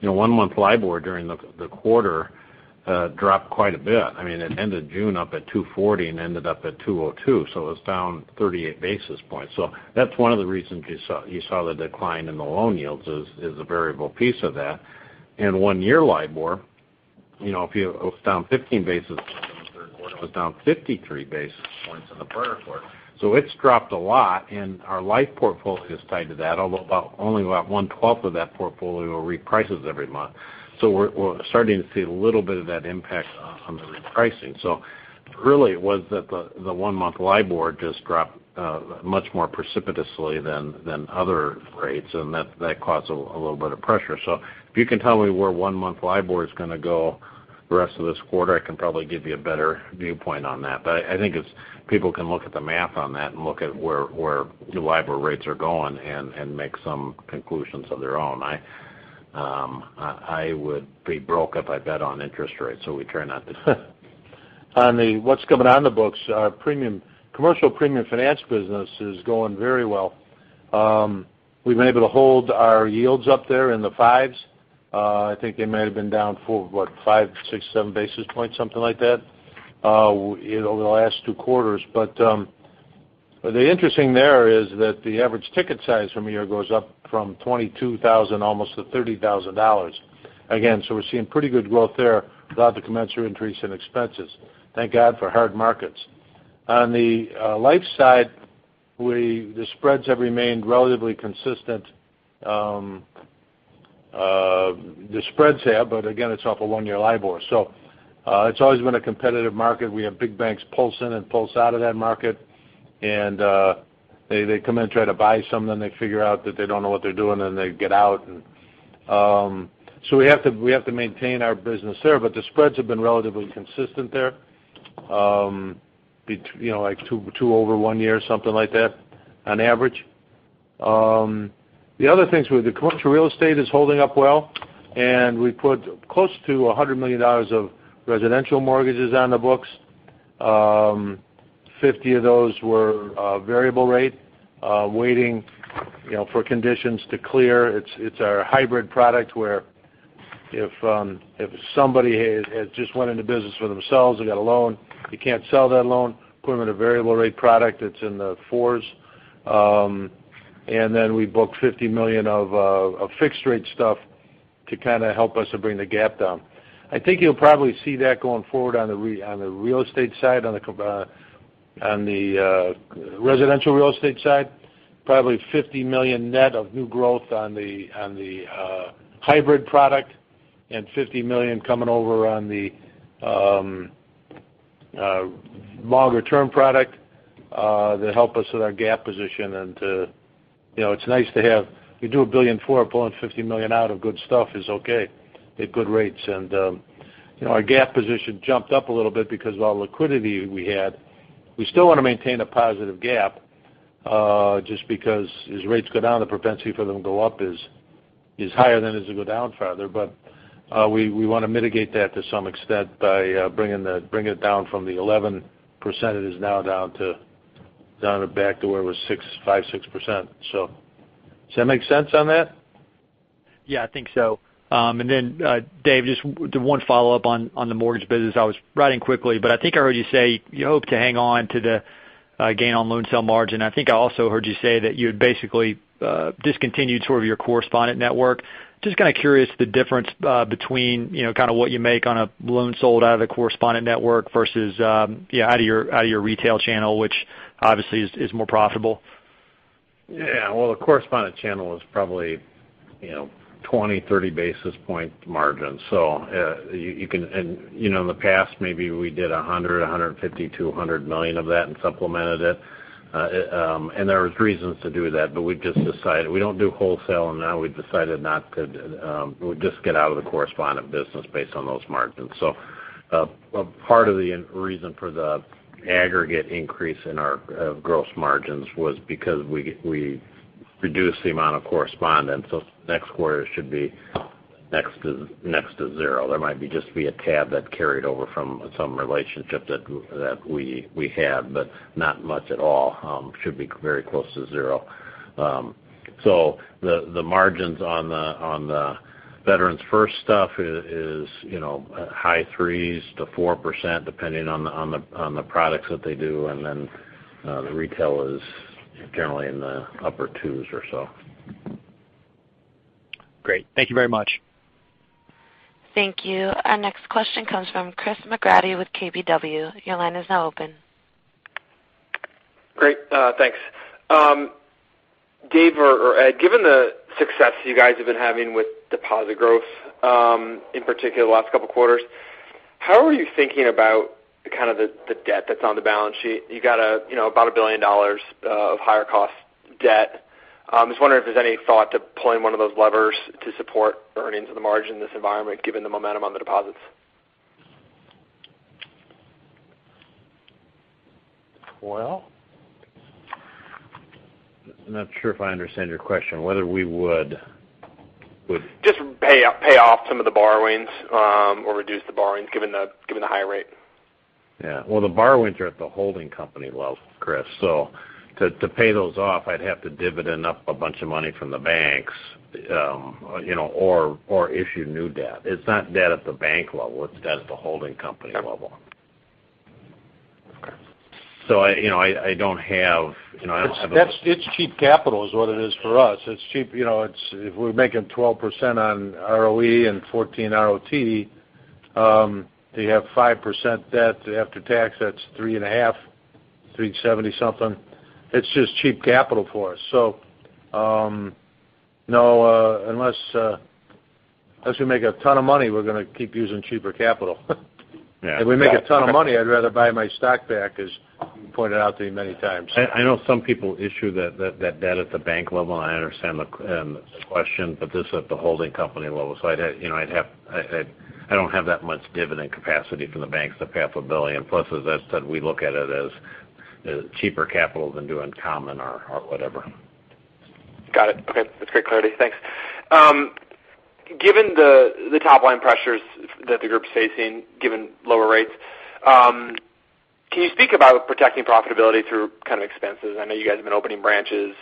One-month LIBOR during the quarter dropped quite a bit. It ended June up at 240 and ended up at 202. It was down 38 basis points. That's one of the reasons you saw the decline in the loan yields is a variable piece of that. One-year LIBOR, it was down 15 basis points in the third quarter. It was down 53 basis points in the third quarter. It's dropped a lot, and our life portfolio is tied to that, although only about one twelfth of that portfolio reprices every month. We're starting to see a little bit of that impact on the repricing. Really, it was that the one-month LIBOR just dropped much more precipitously than other rates, and that caused a little bit of pressure. If you can tell me where one-month LIBOR is going to go the rest of this quarter, I can probably give you a better viewpoint on that. I think people can look at the math on that and look at where the LIBOR rates are going and make some conclusions of their own. I would be broke if I bet on interest rates, so we try not to. On the what's coming on the books, our commercial premium finance business is going very well. We've been able to hold our yields up there in the fives. I think they may have been down for what, five, six, seven basis points, something like that, over the last two quarters. The interesting there is that the average ticket size from a year goes up from $22,000 almost to $30,000 again. We're seeing pretty good growth there without the commensurate increase in expenses. Thank God for hard markets. On the life side, the spreads have remained relatively consistent. The spreads have, but again, it's off a one-year LIBOR. It's always been a competitive market. We have big banks pulse in and pulse out of that market. They come in and try to buy some, then they figure out that they don't know what they're doing, and they get out. We have to maintain our business there, but the spreads have been relatively consistent there. Like two over one year, something like that, on average. The other things were the commercial real estate is holding up well, and we put close to $100 million of residential mortgages on the books. 50 of those were variable rate, waiting for conditions to clear. It's our hybrid product where if somebody had just went into business for themselves and got a loan, you can't sell that loan. Put them in a variable rate product that's in the fours. Then we book $50 million of fixed rate stuff to kind of help us to bring the gap down. I think you'll probably see that going forward on the residential real estate side. Probably $50 million net of new growth on the hybrid product and $50 million coming over on the longer-term product to help us with our gap position. We do $1.4 billion, pulling $50 million out of good stuff is okay at good rates. Our gap position jumped up a little bit because of all the liquidity we had. We still want to maintain a positive gap, just because as rates go down, the propensity for them to go up is higher than it is to go down farther. We want to mitigate that to some extent by bringing it down from the 11% it is now down to back to where it was 5%-6%. Does that make sense on that? Yeah, I think so. Dave, just the one follow-up on the mortgage business. I was writing quickly, but I think I heard you say you hope to hang on to the gain on loan sale margin. I think I also heard you say that you had basically discontinued sort of your correspondent network. Just kind of curious the difference between kind of what you make on a loan sold out of the correspondent network versus out of your retail channel, which obviously is more profitable? Yeah. Well, the correspondent channel is probably 20, 30 basis point margin. In the past, maybe we did $100 million, $150 million to $100 million of that and supplemented it. There was reasons to do that, but we've just decided. We don't do wholesale now. We decided we would just get out of the correspondent business based on those margins. Part of the reason for the aggregate increase in our gross margins was because we reduced the amount of correspondence. Next quarter should be next to zero. There might just be a tab that carried over from some relationship that we had, but not much at all. Should be very close to zero. The margins on the Veterans First stuff is high 3s to 4%, depending on the products that they do. Then the retail is generally in the upper twos or so. Great. Thank you very much. Thank you. Our next question comes from Christopher McGratty with KBW. Your line is now open. Great, thanks. Dave or Ed, given the success you guys have been having with deposit growth, in particular the last couple of quarters, how are you thinking about the kind of the debt that's on the balance sheet? You got about $1 billion of higher cost debt. I'm just wondering if there's any thought to pulling one of those levers to support earnings and the margin in this environment, given the momentum on the deposits. Well, I'm not sure if I understand your question, whether we would. Just pay off some of the borrowings, or reduce the borrowings, given the higher rate. Yeah. Well, the borrowings are at the holding company level, Chris. To pay those off, I'd have to dividend up a bunch of money from the banks, or issue new debt. It's not debt at the bank level. It's debt at the holding company level. Okay. I don't have. It's cheap capital is what it is for us. If we're making 12% on ROE and 14 ROT, they have 5% debt after tax, that's three and a half, 370 something. It's just cheap capital for us. Unless we make a ton of money, we're going to keep using cheaper capital. Yeah. If we make a ton of money, I'd rather buy my stock back, as you pointed out to me many times. I know some people issue that debt at the bank level, and I understand the question, but this is at the holding company level. I don't have that much dividend capacity from the banks to pay off $1 billion. Plus, as Ed said, we look at it as cheaper capital than doing common or whatever. Got it. Okay. That's great clarity. Thanks. Given the top-line pressures that the group's facing, given lower rates, can you speak about protecting profitability through kind of expenses? I know you guys have been opening branches.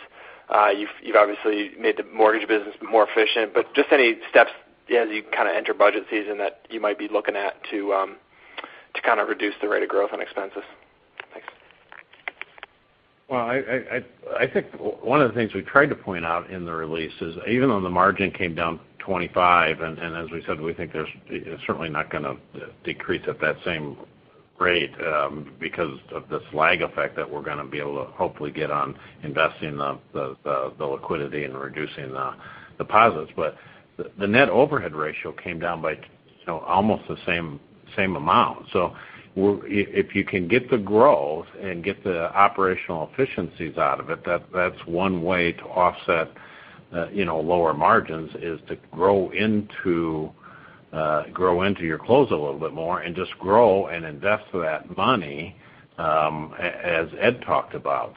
You've obviously made the mortgage business more efficient, but just any steps as you kind of enter budget season that you might be looking at to kind of reduce the rate of growth on expenses. Thanks. I think one of the things we tried to point out in the release is even though the margin came down 25%, and as we said, we think it's certainly not going to decrease at that same rate because of this lag effect that we're going to be able to hopefully get on investing the liquidity and reducing the deposits. The net overhead ratio came down by almost the same amount. If you can get the growth and get the operational efficiencies out of it, that's one way to offset lower margins, is to grow into your clothes a little bit more and just grow and invest that money, as Ed talked about.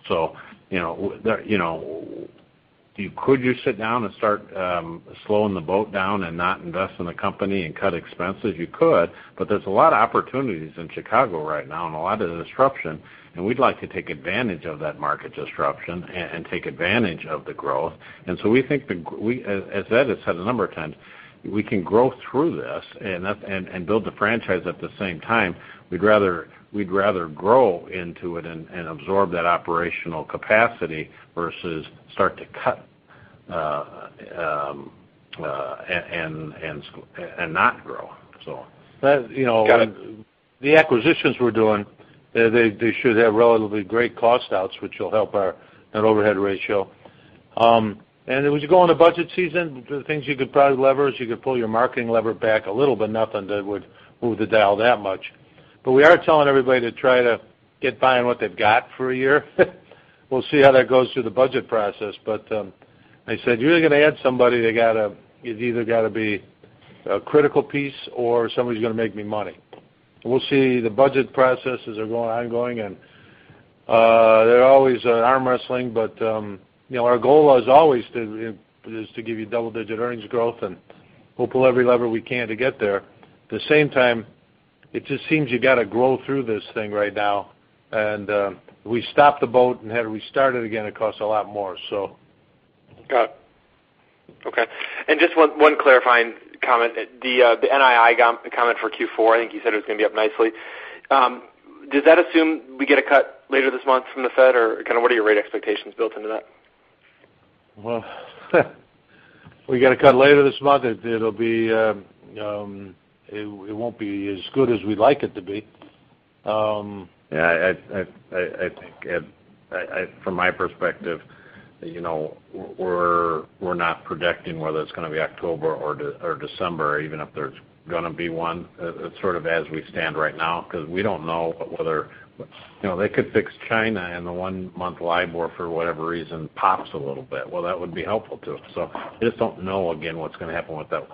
Could you sit down and start slowing the boat down and not invest in the company and cut expenses? You could, but there's a lot of opportunities in Chicago right now and a lot of disruption, and we'd like to take advantage of that market disruption and take advantage of the growth. We think, as Ed has said a number of times, we can grow through this and build the franchise at the same time. We'd rather grow into it and absorb that operational capacity versus start to cut and not grow. The acquisitions we're doing, they should have relatively great cost outs, which will help our overhead ratio. As you go into budget season, the things you could probably leverage, you could pull your marketing lever back a little, nothing that would move the dial that much. We are telling everybody to try to get by on what they've got for a year. We'll see how that goes through the budget process. I said, "You're going to add somebody, it's either got to be a critical piece or somebody who's going to make me money." We'll see. The budget processes are ongoing, they're always arm wrestling. Our goal as always is to give you double-digit earnings growth, we'll pull every lever we can to get there. At the same time, it just seems you got to grow through this thing right now. If we stop the boat and had to restart it again, it costs a lot more. Got it. Okay. Just one clarifying comment. The NII comment for Q4, I think you said it was going to be up nicely. Does that assume we get a cut later this month from the Fed, or kind of what are your rate expectations built into that? Well, we get a cut later this month, it won't be as good as we'd like it to be. I think, Ed, from my perspective. We're not predicting whether it's going to be October or December, even if there's going to be one. It's sort of as we stand right now, because we don't know they could fix China and the one-month LIBOR, for whatever reason, pops a little bit. That would be helpful, too. You just don't know, again, what's going to happen with that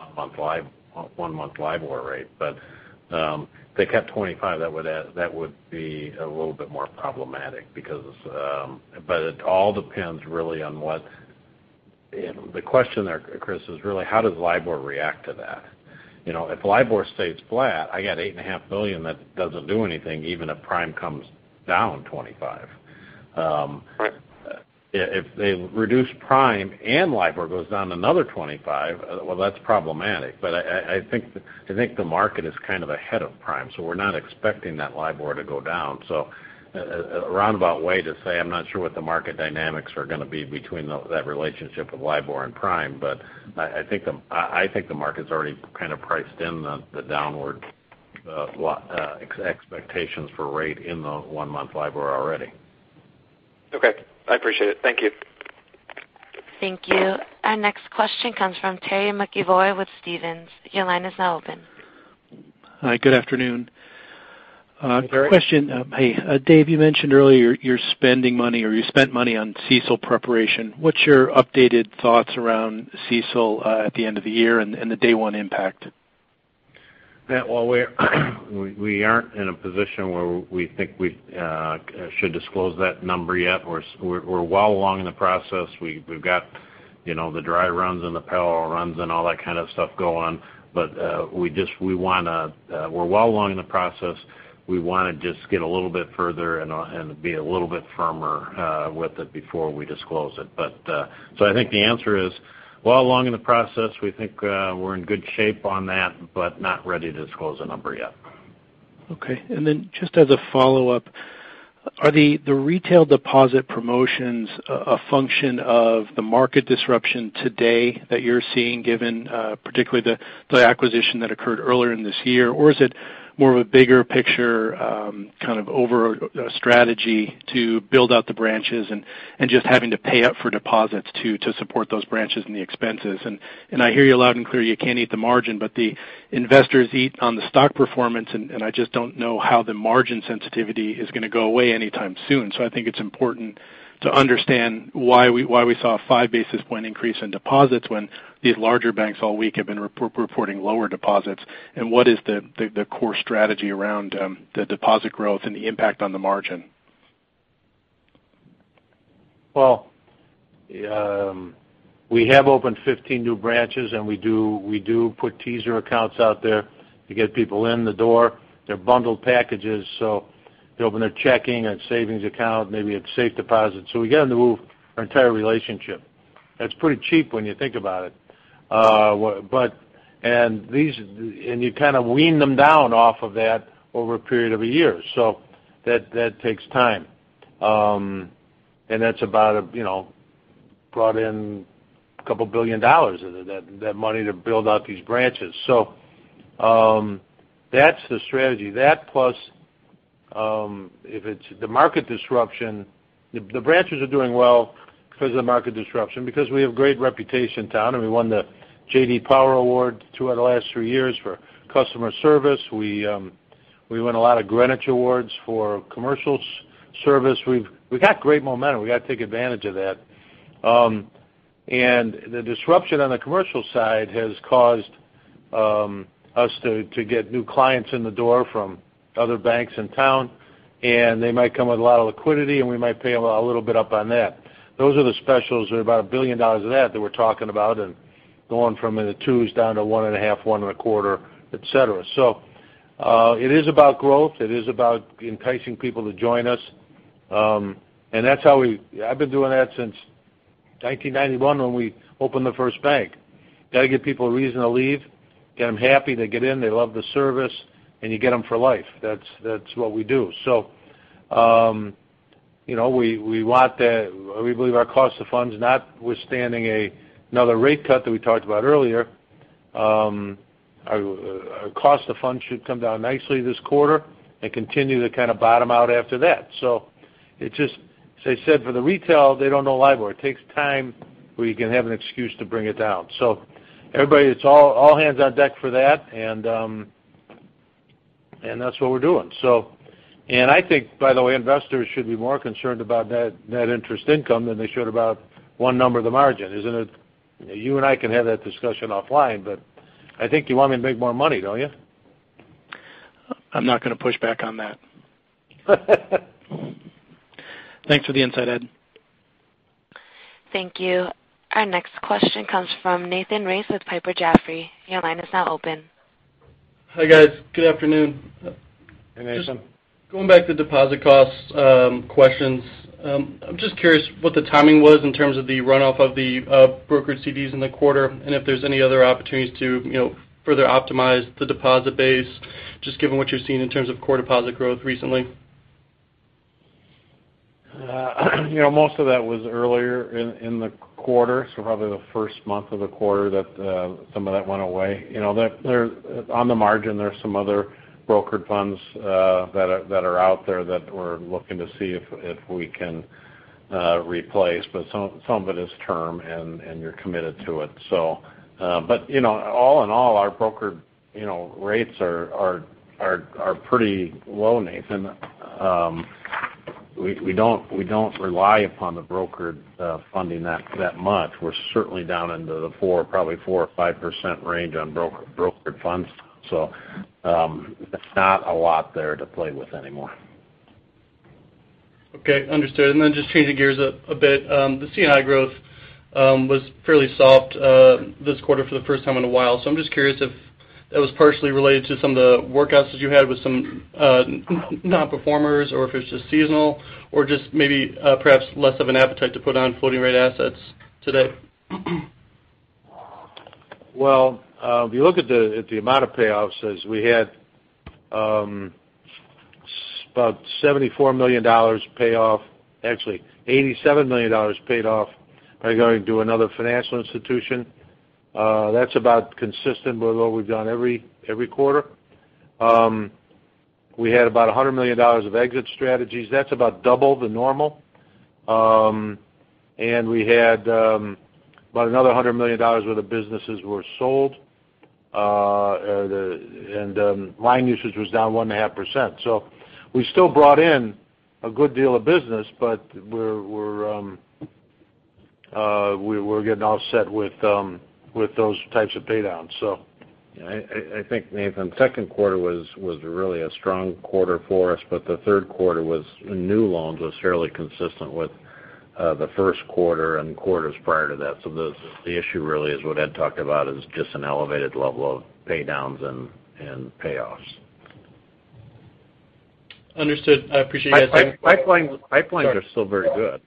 one-month LIBOR rate. If they cut 25, that would be a little bit more problematic. It all depends really on the question there, Chris, is really how does LIBOR react to that? If LIBOR stays flat, I got $8.5 million that doesn't do anything, even if prime comes down 25. Right. If they reduce prime and LIBOR goes down another 25, well, that's problematic. I think the market is kind of ahead of prime, we're not expecting that LIBOR to go down. A roundabout way to say I'm not sure what the market dynamics are going to be between that relationship with LIBOR and prime. I think the market's already kind of priced in the downward expectations for rate in the one-month LIBOR already. Okay. I appreciate it. Thank you. Thank you. Our next question comes from Terry McEvoy with Stephens. Your line is now open. Hi, good afternoon. Hey, Terry. Question. Hey, Dave, you mentioned earlier you're spending money, or you spent money on CECL preparation. What's your updated thoughts around CECL at the end of the year and the day one impact? Well, we aren't in a position where we think we should disclose that number yet. We're well along in the process. We've got the dry runs and the parallel runs and all that kind of stuff going. We're well along in the process. We want to just get a little bit further and be a little bit firmer with it before we disclose it. I think the answer is, well along in the process. We think we're in good shape on that, but not ready to disclose a number yet. Okay. Then just as a follow-up, are the retail deposit promotions a function of the market disruption today that you're seeing, given particularly the acquisition that occurred earlier in this year? Is it more of a bigger picture kind of over strategy to build out the branches and just having to pay up for deposits to support those branches and the expenses? I hear you loud and clear, you can't eat the margin, but the investors eat on the stock performance, and I just don't know how the margin sensitivity is going to go away anytime soon. I think it's important to understand why we saw a five basis point increase in deposits when these larger banks all week have been reporting lower deposits. What is the core strategy around the deposit growth and the impact on the margin? Well, we have opened 15 new branches. We do put teaser accounts out there to get people in the door. They're bundled packages. They open a checking and savings account, maybe it's safe deposit. We get into our entire relationship. That's pretty cheap when you think about it. You kind of wean them down off of that over a period of a year. That takes time. That's about brought in a couple billion dollars of that money to build out these branches. That's the strategy. That plus if it's the market disruption, the branches are doing well because of the market disruption, because we have great reputation in town, and we won the J.D. Power Award two out of the last three years for customer service. We won a lot of Greenwich Awards for commercial service. We've got great momentum. We got to take advantage of that. The disruption on the commercial side has caused us to get new clients in the door from other banks in town, and they might come with a lot of liquidity, and we might pay a little bit up on that. Those are the specials. There are about $1 billion of that we're talking about and going from the twos down to one and a half, one and a quarter, et cetera. It is about growth. It is about enticing people to join us. I've been doing that since 1991 when we opened the first bank. We've got to give people a reason to leave, get them happy, they get in, they love the service, and you get them for life. That's what we do. We believe our cost of funds, notwithstanding another rate cut that we talked about earlier, our cost of funds should come down nicely this quarter and continue to kind of bottom out after that. As I said, for the retail, they don't know LIBOR. It takes time where you can have an excuse to bring it down. Everybody, it's all hands on deck for that, and that's what we're doing. I think, by the way, investors should be more concerned about net interest income than they should about one number of the margin. You and I can have that discussion offline, but I think you want me to make more money, don't you? I'm not going to push back on that. Thanks for the insight, Ed. Thank you. Our next question comes from Nathan Race with Piper Jaffray. Your line is now open. Hi, guys. Good afternoon. Hey, Nathan. Just going back to deposit cost questions. I'm just curious what the timing was in terms of the runoff of the brokered CDs in the quarter. If there's any other opportunities to further optimize the deposit base, just given what you're seeing in terms of core deposit growth recently. Most of that was earlier in the quarter, so probably the first month of the quarter that some of that went away. On the margin, there's some other brokered funds that are out there that we're looking to see if we can replace, but some of it is term and you're committed to it. All in all our broker rates are pretty low, Nathan. We don't rely upon the brokered funding that much. We're certainly down into the probably 4% or 5% range on brokered funds. It's not a lot there to play with anymore. Okay, understood. Just changing gears a bit. The C&I growth was fairly soft this quarter for the first time in a while. I'm just curious if that was partially related to some of the workouts that you had with some non-performers, or if it's just seasonal, or just maybe perhaps less of an appetite to put on floating rate assets today? Well, if you look at the amount of payoffs, as we had about $74 million payoff, actually, $87 million paid off by going to another financial institution. That's about consistent with what we've done every quarter. We had about $100 million of exit strategies. That's about double the normal. We had about another $100 million worth of businesses were sold. Line usage was down 1.5%. We still brought in a good deal of business, but we're getting offset with those types of pay downs. I think, Nathan, second quarter was really a strong quarter for us, but the third quarter was, new loans was fairly consistent with the first quarter and quarters prior to that. The issue really is what Ed talked about, is just an elevated level of pay downs and payoffs. Understood. I appreciate you guys- Pipelines are still very good.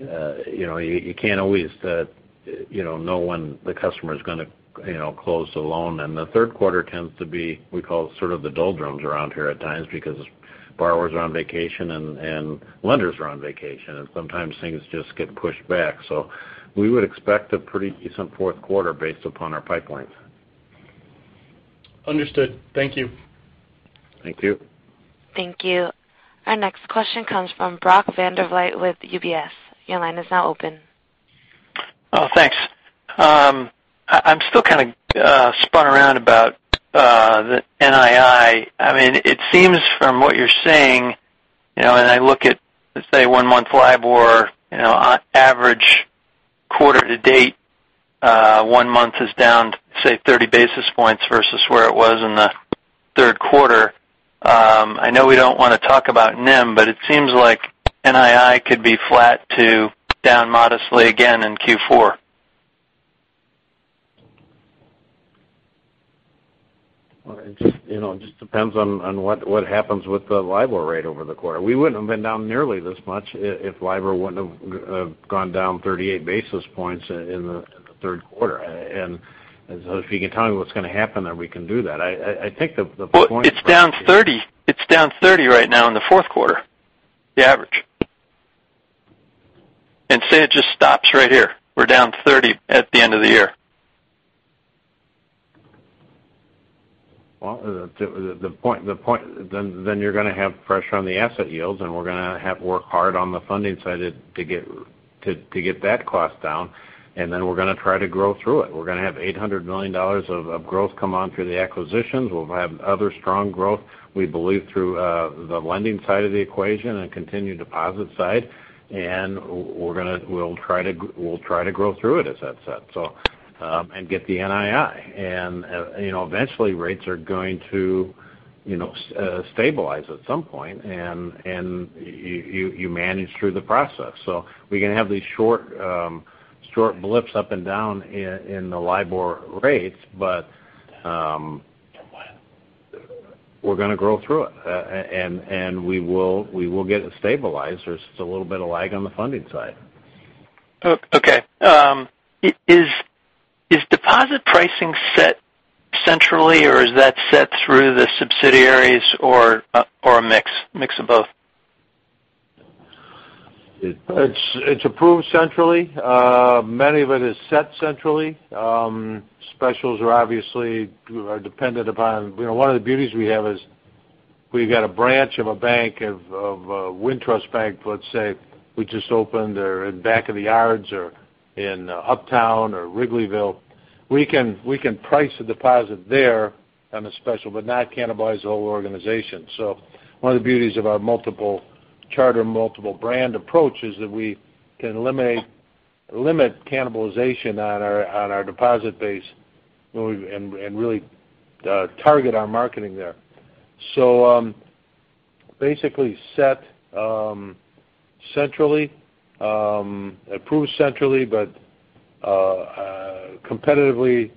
You can't always know when the customer's going to close the loan. The third quarter tends to be, we call it sort of the doldrums around here at times, because borrowers are on vacation and lenders are on vacation, and sometimes things just get pushed back. We would expect a pretty decent fourth quarter based upon our pipelines. Understood. Thank you. Thank you. Thank you. Our next question comes from Brock Vandervliet with UBS. Your line is now open. Oh, thanks. I'm still kind of spun around about the NII. It seems from what you're saying, and I look at, let's say, one month LIBOR, on average quarter to date, one month is down, say, 30 basis points versus where it was in the third quarter. I know we don't want to talk about NIM, but it seems like NII could be flat to down modestly again in Q4. Well, it just depends on what happens with the LIBOR rate over the quarter. We wouldn't have been down nearly this much if LIBOR wouldn't have gone down 38 basis points in the third quarter. If you can tell me what's going to happen there, we can do that. It's down 30 right now in the fourth quarter. The average. Say it just stops right here. We're down 30 at the end of the year. You're going to have pressure on the asset yields, and we're going to have work hard on the funding side to get that cost down. We're going to try to grow through it. We're going to have $800 million of growth come on through the acquisitions. We'll have other strong growth, we believe through the lending side of the equation and continued deposit side. We'll try to grow through it, as Ed said, and get the NII. Eventually rates are going to stabilize at some point, and you manage through the process. We can have these short blips up and down in the LIBOR rates, but we're going to grow through it. We will get it stabilized. There's just a little bit of lag on the funding side. Okay. Is deposit pricing set centrally, or is that set through the subsidiaries or a mix of both? It's approved centrally. Many of it is set centrally. Specials are obviously dependent upon one of the beauties we have is we've got a branch of a bank, of Wintrust Bank, let's say, we just opened or in Back of the Yards or in Uptown or Wrigleyville. We can price a deposit there on a special, but not cannibalize the whole organization. One of the beauties of our multiple charter, multiple brand approach is that we can limit cannibalization on our deposit base and really target our marketing there. Basically set centrally, approved centrally, but competitively,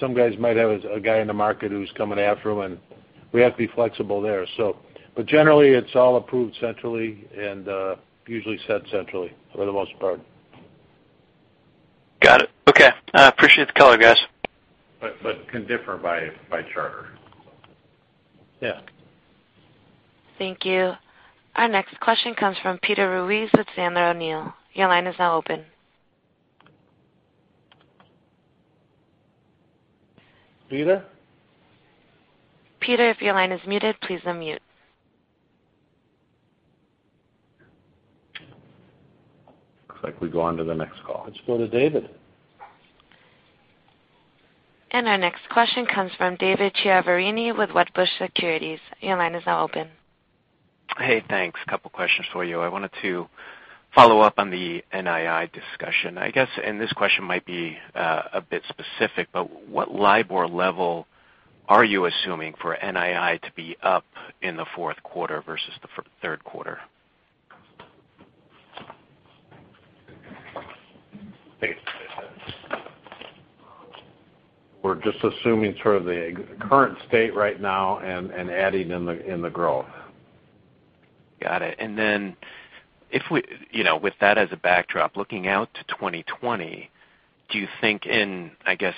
some guys might have a guy in the market who's coming after them, and we have to be flexible there. Generally, it's all approved centrally and usually set centrally for the most part. Got it. Okay. I appreciate the color, guys. Can differ by charter. Yeah. Thank you. Our next question comes from Peter Ruiz with Sandler O'Neill. Your line is now open. Peter? Peter, if your line is muted, please unmute. Looks like we go on to the next call. Let's go to David. Our next question comes from David Chiaverini with Wedbush Securities. Your line is now open. Hey, thanks. Couple questions for you. I wanted to follow up on the NII discussion. I guess, this question might be a bit specific, but what LIBOR level are you assuming for NII to be up in the fourth quarter versus the third quarter? Dave? We're just assuming sort of the current state right now and adding in the growth. Got it. Then, with that as a backdrop, looking out to 2020, do you think in, I guess,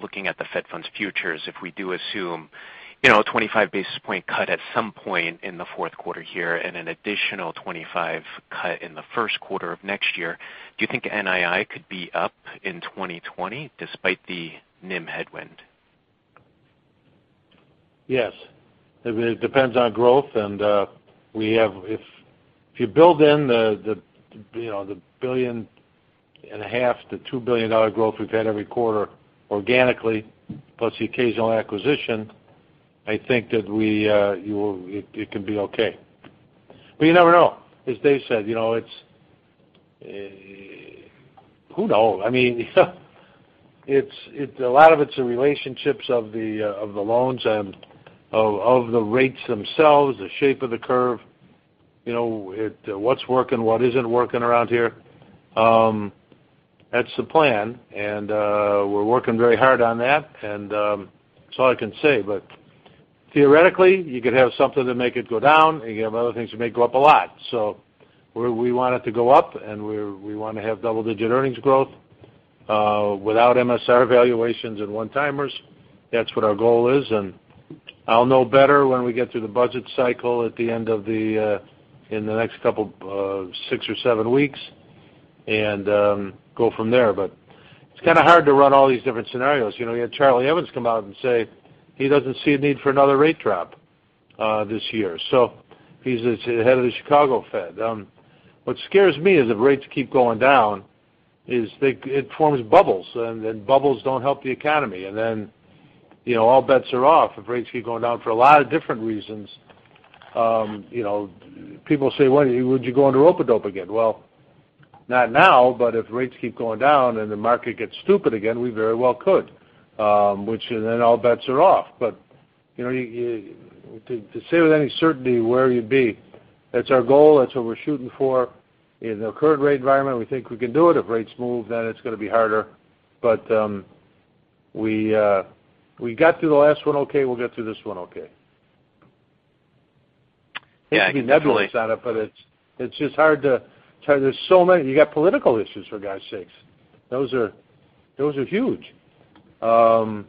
looking at the Fed funds futures, if we do assume a 25 basis point cut at some point in the fourth quarter here and an additional 25 cut in the first quarter of next year, do you think NII could be up in 2020 despite the NIM headwind? Yes. It depends on growth. If you build in the billion and a half dollar to $2 billion dollar growth we've had every quarter organically, plus the occasional acquisition, I think that it can be okay. You never know. As Dave said. Who knows? I mean, a lot of it's the relationships of the loans and of the rates themselves, the shape of the curve. What's working, what isn't working around here. That's the plan, and we're working very hard on that. That's all I can say, but theoretically, you could have something that make it go down, and you have other things that may go up a lot. We want it to go up, and we want to have double-digit earnings growth, without MSR valuations and one-timers. That's what our goal is. I'll know better when we get through the budget cycle at the end of the, in the next six or seven weeks and go from there. It's kind of hard to run all these different scenarios. You had Charlie Evans come out and say he doesn't see a need for another rate drop this year. He's the head of the Chicago Fed. What scares me is if rates keep going down, is it forms bubbles don't help the economy. All bets are off if rates keep going down for a lot of different reasons. People say, "Well, would you go into OPEB again?" Well, not now, but if rates keep going down and the market gets stupid again, we very well could. Which then all bets are off. To say with any certainty where you'd be, that's our goal, that's what we're shooting for. In the current rate environment, we think we can do it. If rates move, it's going to be harder. We got through the last one okay. We'll get through this one okay. Yeah, I can. It's just hard to tell. You got political issues, for God's sakes. Those are huge. There's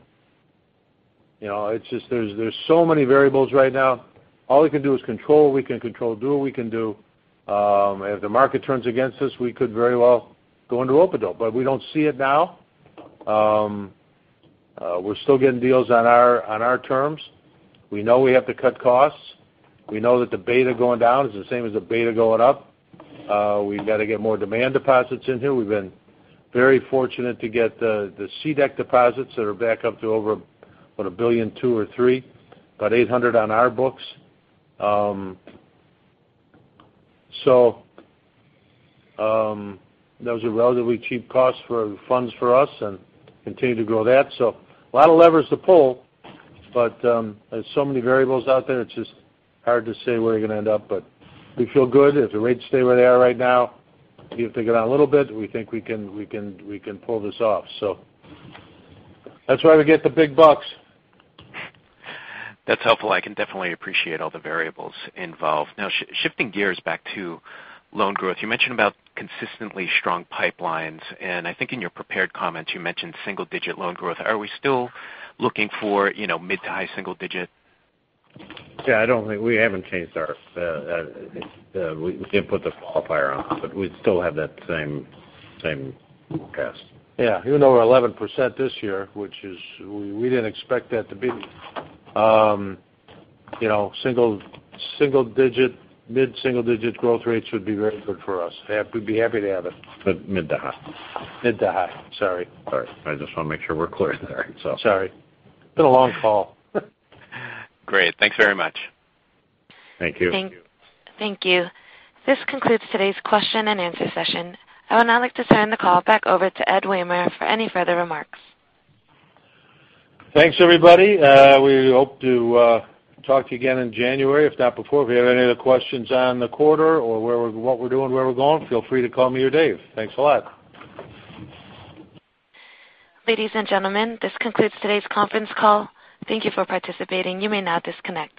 so many variables right now. All we can do is control what we can control, do what we can do. If the market turns against us, we could very well go into OPEB. We don't see it now. We're still getting deals on our terms. We know we have to cut costs. We know that the beta going down is the same as the beta going up. We've got to get more demand deposits in here. We've been very fortunate to get the C-DAC deposits that are back up to over, what? $1 billion, two or three. About $800 million on our books. Those are relatively cheap funds for us and continue to grow that. A lot of levers to pull, but there's so many variables out there, it's just hard to say where you're going to end up. We feel good. If the rates stay where they are right now, even if they go down a little bit, we think we can pull this off. That's why we get the big bucks. That's helpful. I can definitely appreciate all the variables involved. Now, shifting gears back to loan growth. You mentioned about consistently strong pipelines, and I think in your prepared comments you mentioned single-digit loan growth. Are we still looking for mid to high single digit? Yeah, we haven't changed. We did put the qualifier on it, but we still have that same forecast. Yeah. Even though we're 11% this year, which we didn't expect that to be. Mid-single digit growth rates would be very good for us. We'd be happy to have it. Mid to high. Mid to high. Sorry. Sorry. I just want to make sure we're clear there. Sorry. Been a long call. Great. Thanks very much. Thank you. Thank you. This concludes today's question and answer session. I would now like to turn the call back over to Ed Wehmer for any further remarks. Thanks, everybody. We hope to talk to you again in January, if not before. If you have any other questions on the quarter or what we're doing, where we're going, feel free to call me or Dave. Thanks a lot. Ladies and gentlemen, this concludes today's conference call. Thank you for participating. You may now disconnect.